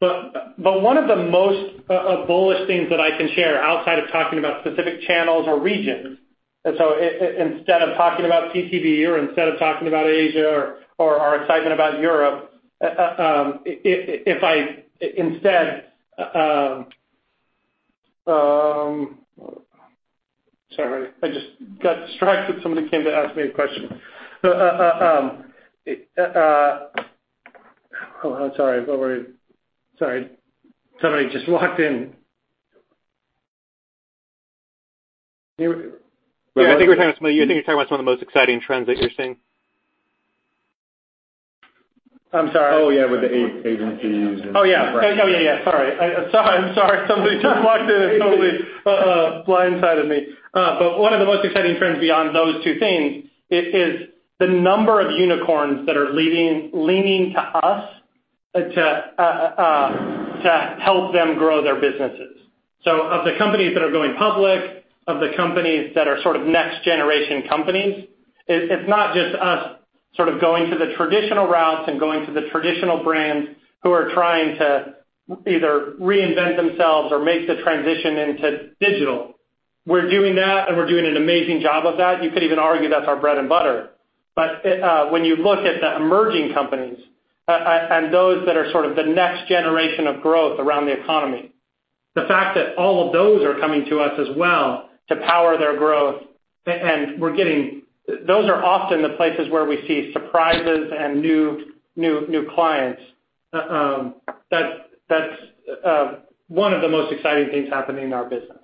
One of the most bullish things that I can share outside of talking about specific channels or regions, instead of talking about CTV or instead of talking about Asia or our excitement about Europe, Sorry, I just got distracted. Somebody came to ask me a question. Hold on. Sorry. Somebody just walked in. Yeah, I think we're talking about, you're talking about some of the most exciting trends that you're seeing. I'm sorry. Oh, yeah, with the agencies and- Oh, yeah. Oh, yeah. Sorry. I'm sorry. Somebody just walked in and totally blindsided me. One of the most exciting trends beyond those two things is the number of unicorns that are leaning to us to help them grow their businesses. Of the companies that are going public, of the companies that are sort of next generation companies, it's not just us sort of going to the traditional routes and going to the traditional brands who are trying to either reinvent themselves or make the transition into digital. We're doing that, and we're doing an amazing job of that. You could even argue that's our bread and butter. When you look at the emerging companies, and those that are sort of the next generation of growth around the economy, the fact that all of those are coming to us as well to power their growth, those are often the places where we see surprises and new clients. That's one of the most exciting things happening in our business.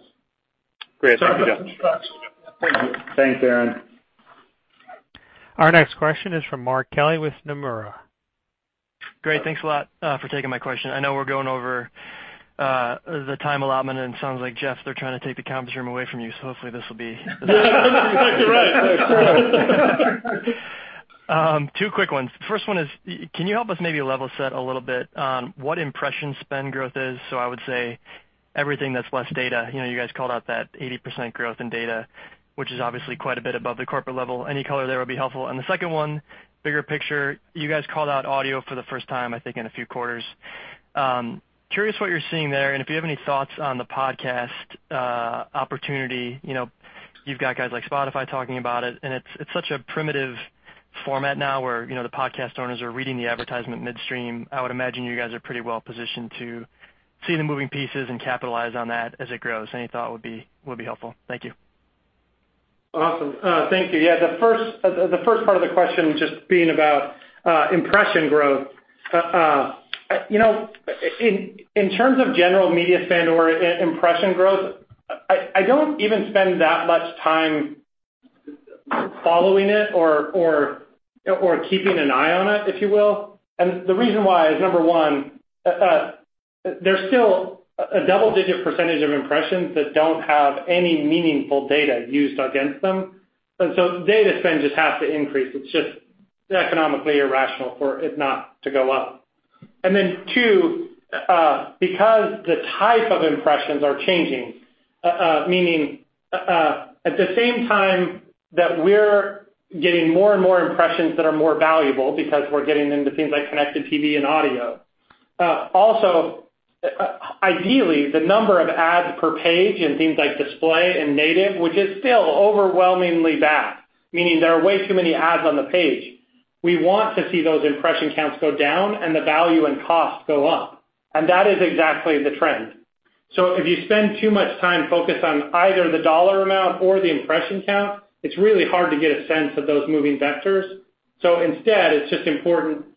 Great. Thanks, Jeff. Sorry about the distraction. Thank you. Thanks, Aaron. Our next question is from Mark Kelley with Nomura. Great. Thanks a lot for taking my question. I know we're going over the time allotment, and it sounds like Jeff, they're trying to take the conference room away from you, so hopefully this will be. You're right. Two quick ones. First one is, can you help us maybe level set a little bit on what impression spend growth is? I would say everything that's less data. You guys called out that 80% growth in data, which is obviously quite a bit above the corporate level. Any color there would be helpful. The second one, bigger picture, you guys called out audio for the first time, I think, in a few quarters. Curious what you're seeing there, and if you have any thoughts on the podcast opportunity. You've got guys like Spotify talking about it, and it's such a primitive format now where the podcast owners are reading the advertisement midstream. I would imagine you guys are pretty well positioned to see the moving pieces and capitalize on that as it grows. Any thought would be helpful. Thank you. Awesome. Thank you. The first part of the question just being about impression growth. In terms of general media spend or impression growth, I don't even spend that much time following it or keeping an eye on it, if you will. The reason why is, number 1, there's still a double-digit percentage of impressions that don't have any meaningful data used against them. Data spend just has to increase. It's just economically irrational for it not to go up. Two, because the type of impressions are changing, meaning at the same time that we're getting more and more impressions that are more valuable because we're getting into things like connected TV and audio. Also, ideally, the number of ads per page in things like display and native, which is still overwhelmingly bad, meaning there are way too many ads on the page. We want to see those impression counts go down and the value and cost go up. That is exactly the trend. If you spend too much time focused on either the dollar amount or the impression count, it's really hard to get a sense of those moving vectors. Instead, it's just important to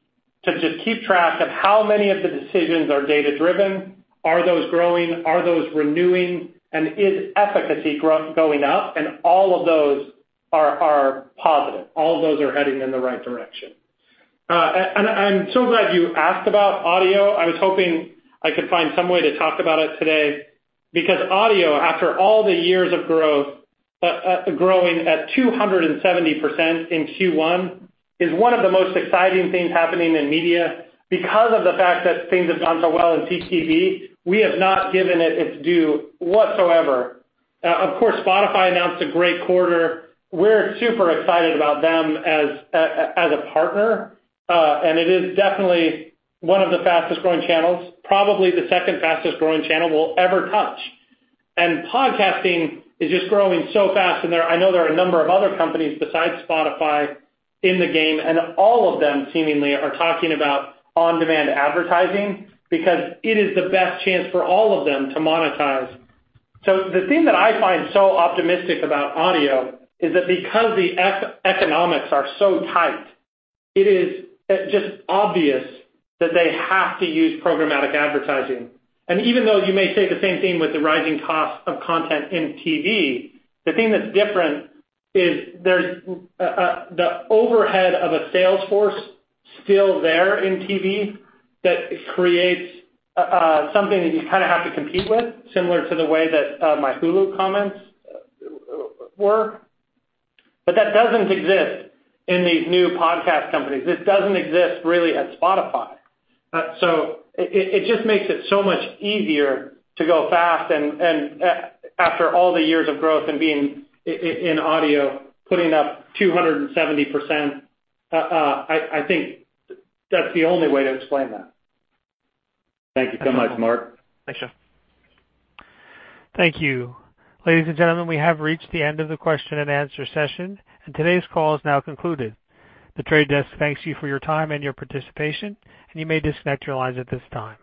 just keep track of how many of the decisions are data-driven, are those growing, are those renewing, and is efficacy going up? All of those are positive. All of those are heading in the right direction. I'm so glad you asked about audio. I was hoping I could find some way to talk about it today, because audio, after all the years of growing at 270% in Q1, is one of the most exciting things happening in media. Because of the fact that things have done so well in CTV, we have not given it its due whatsoever. Of course, Spotify announced a great quarter. We're super excited about them as a partner. It is definitely one of the fastest-growing channels, probably the second fastest-growing channel we'll ever touch. Podcasting is just growing so fast, and I know there are a number of other companies besides Spotify in the game, and all of them seemingly are talking about on-demand advertising, because it is the best chance for all of them to monetize. The thing that I find so optimistic about audio is that because the economics are so tight, it is just obvious that they have to use programmatic advertising. Even though you may say the same thing with the rising cost of content in TV, the thing that's different is the overhead of a sales force still there in TV that creates something that you kind of have to compete with, similar to the way that my Hulu comments were. That doesn't exist in these new podcast companies. This doesn't exist really at Spotify. It just makes it so much easier to go fast, and after all the years of growth and being in audio, putting up 270%, I think that's the only way to explain that. Thank you so much, Mark. Thanks, Jeff. Thank you. Ladies and gentlemen, we have reached the end of the question and answer session. Today's call is now concluded. The Trade Desk thanks you for your time and your participation. You may disconnect your lines at this time.